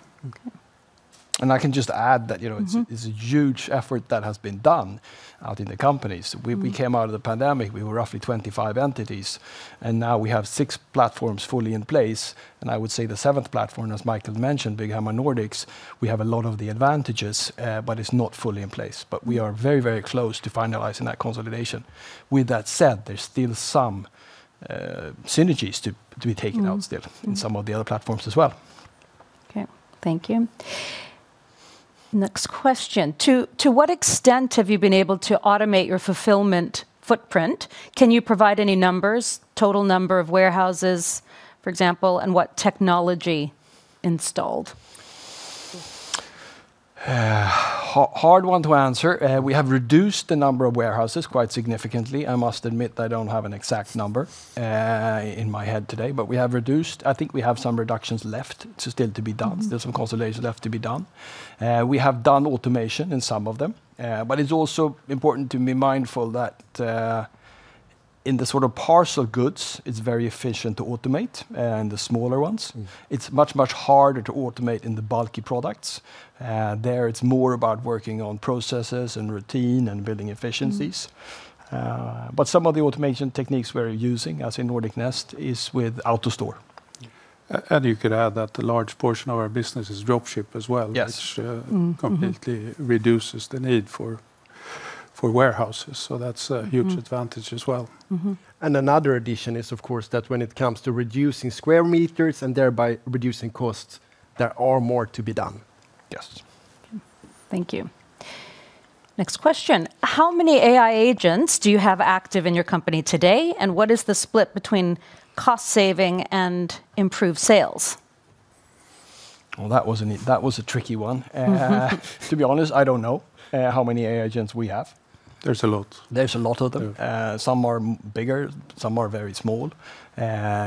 Okay. I can just add that, you know. Mm-hmm It's a huge effort that has been done out in the companies. We came out of the pandemic, we were roughly 25 entities, and now we have six platforms fully in place, and I would say the seventh platform, as Mikael mentioned, Bygghemma Nordics, we have a lot of the advantages, but it's not fully in place. We are very close to finalizing that consolidation. With that said, there's still some synergies to be taken out still. Mm in some of the other platforms as well. Okay. Thank you. Next question: To what extent have you been able to automate your fulfillment footprint? Can you provide any numbers, total number of warehouses, for example, and what technology installed? Hard one to answer. We have reduced the number of warehouses quite significantly. I must admit I don't have an exact number in my head today, but we have reduced. I think we have some reductions left still to be done. Mm-hmm. There's some consolidations left to be done. We have done automation in some of them, but it's also important to be mindful that, in the sort of parcel goods it's very efficient to automate, and the smaller ones. Mm. It's much, much harder to automate in the bulky products. There it's more about working on processes and routine and building efficiencies. Mm. Some of the automation techniques we're using, as in Nordic Nest, is with AutoStore. Yeah. You could add that a large portion of our business is drop ship as well. Yes which, Mm. Completely reduces the need for warehouses, so that's a huge- Mm. Advantage as well. Mm-hmm. Another addition is, of course, that when it comes to reducing square meters and thereby reducing costs, there are more to be done. Yes. Okay, thank you. Next question: How many AI agents do you have active in your company today, and what is the split between cost-saving and improved sales? Well, that was a tricky one. To be honest, I don't know how many AI agents we have. There's a lot. There's a lot of them. Yeah. Some are bigger, some are very small.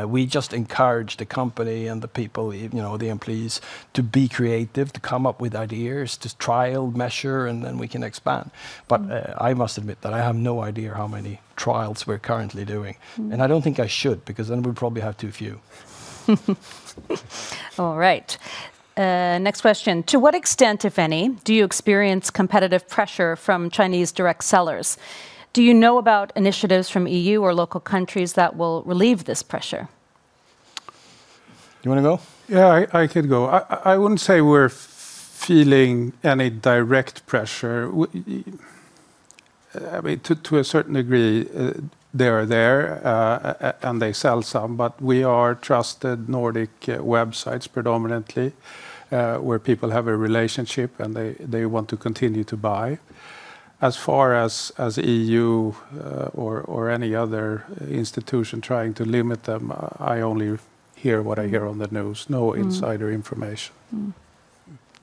We just encourage the company and the people, you know, the employees to be creative, to come up with ideas, to trial, measure, and then we can expand. I must admit that I have no idea how many trials we're currently doing. Mm. I don't think I should, because then we'd probably have too few. All right, next question: To what extent, if any, do you experience competitive pressure from Chinese direct sellers? Do you know about initiatives from EU or local countries that will relieve this pressure? Do you want to go? Yeah, I could go. I wouldn't say we're feeling any direct pressure. I mean, to a certain degree, they are there, and they sell some, but we are trusted Nordic websites predominantly, where people have a relationship and they want to continue to buy. As far as EU, or any other institution trying to limit them, I only hear what I hear on the news. Mm. No insider information.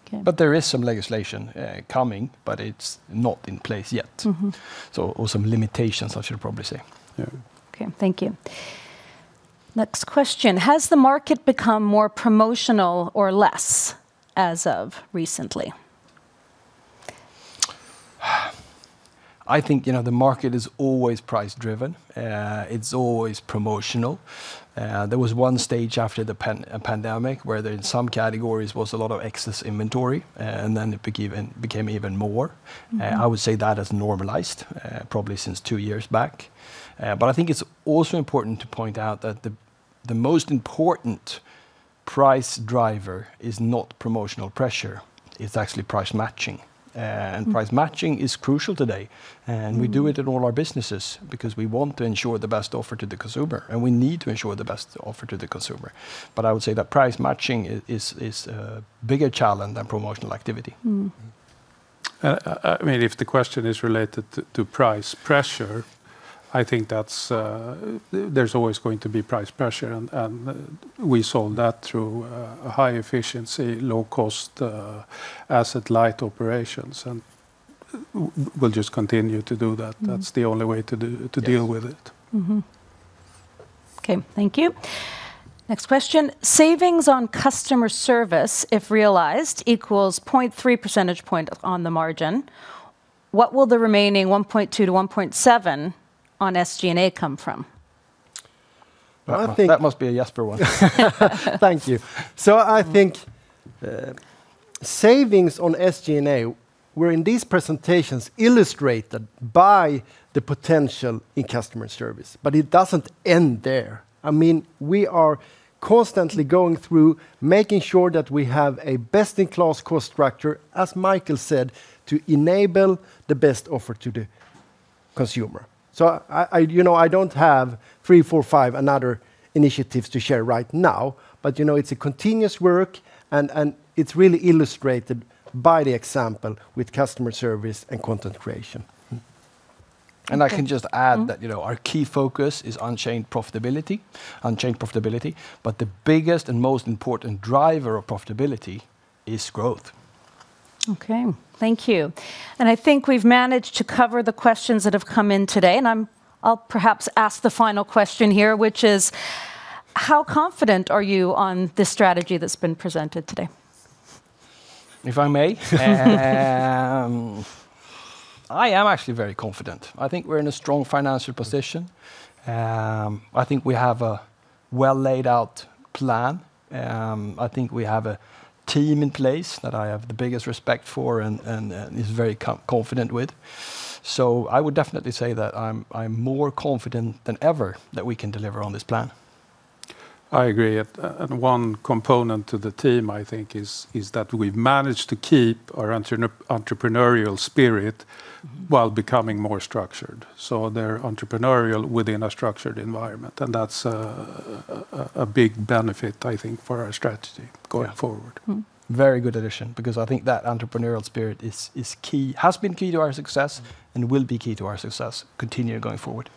Okay. There is some legislation coming, but it's not in place yet. Mm-hmm. some limitations, I should probably say. Yeah. Okay, thank you. Next question: Has the market become more promotional or less as of recently? I think, you know, the market is always price driven. It's always promotional. There was one stage after the pandemic where there in some categories was a lot of excess inventory, and then it became even more. Mm. I would say that has normalized, probably since two years back. I think it's also important to point out that the most important price driver is not promotional pressure, it's actually price matching. Price matching is crucial today, and we do it in all our businesses because we want to ensure the best offer to the consumer, and we need to ensure the best offer to the consumer. I would say that price matching is a bigger challenge than promotional activity. Mm. I mean, if the question is related to price pressure, I think that's. There's always going to be price pressure and we solve that through a high efficiency, low cost, asset light operations and we'll just continue to do that. Mm. That's the only way to do, to deal with it. Okay, thank you. Next question: Savings on customer service, if realized, equals 0.3 percentage point on the margin. What will the remaining 1.2-1.7 on SG&A come from? Well, I think. That must be a Jesper one. Thank you. I think savings on SG&A were in these presentations illustrated by the potential in customer service, but it doesn't end there. I mean, we are constantly going through, making sure that we have a best in class cost structure, as Mikael said, to enable the best offer to the consumer. I you know, I don't have three, four, five other initiatives to share right now, but you know, it's a continuous work and it's really illustrated by the example with customer service and content creation. Okay. I can just add that, you know, our key focus is unchained profitability, but the biggest and most important driver of profitability is growth. Okay, thank you. I think we've managed to cover the questions that have come in today, and I'm, I'll perhaps ask the final question here, which is: How confident are you on this strategy that's been presented today? If I may. I am actually very confident. I think we're in a strong financial position. I think we have a well laid out plan. I think we have a team in place that I have the biggest respect for and is very confident with. I would definitely say that I'm more confident than ever that we can deliver on this plan. I agree. One component to the team, I think, is that we've managed to keep our entrepreneurial spirit while becoming more structured, so they're entrepreneurial within a structured environment, and that's a big benefit, I think, for our strategy going forward. Yeah. Mm. Very good addition, because I think that entrepreneurial spirit is key, has been key to our success, and will be key to our success continue going forward.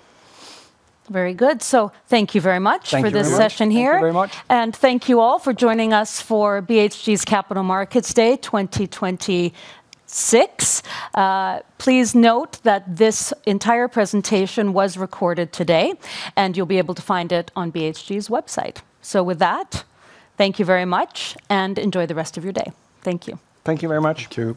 Very good. Thank you very much. Thank you very much. for this session here. Thank you very much. Thank you all for joining us for BHG's Capital Markets Day 2026. Please note that this entire presentation was recorded today, and you'll be able to find it on BHG's website. With that, thank you very much and enjoy the rest of your day. Thank you. Thank you very much. Thank you.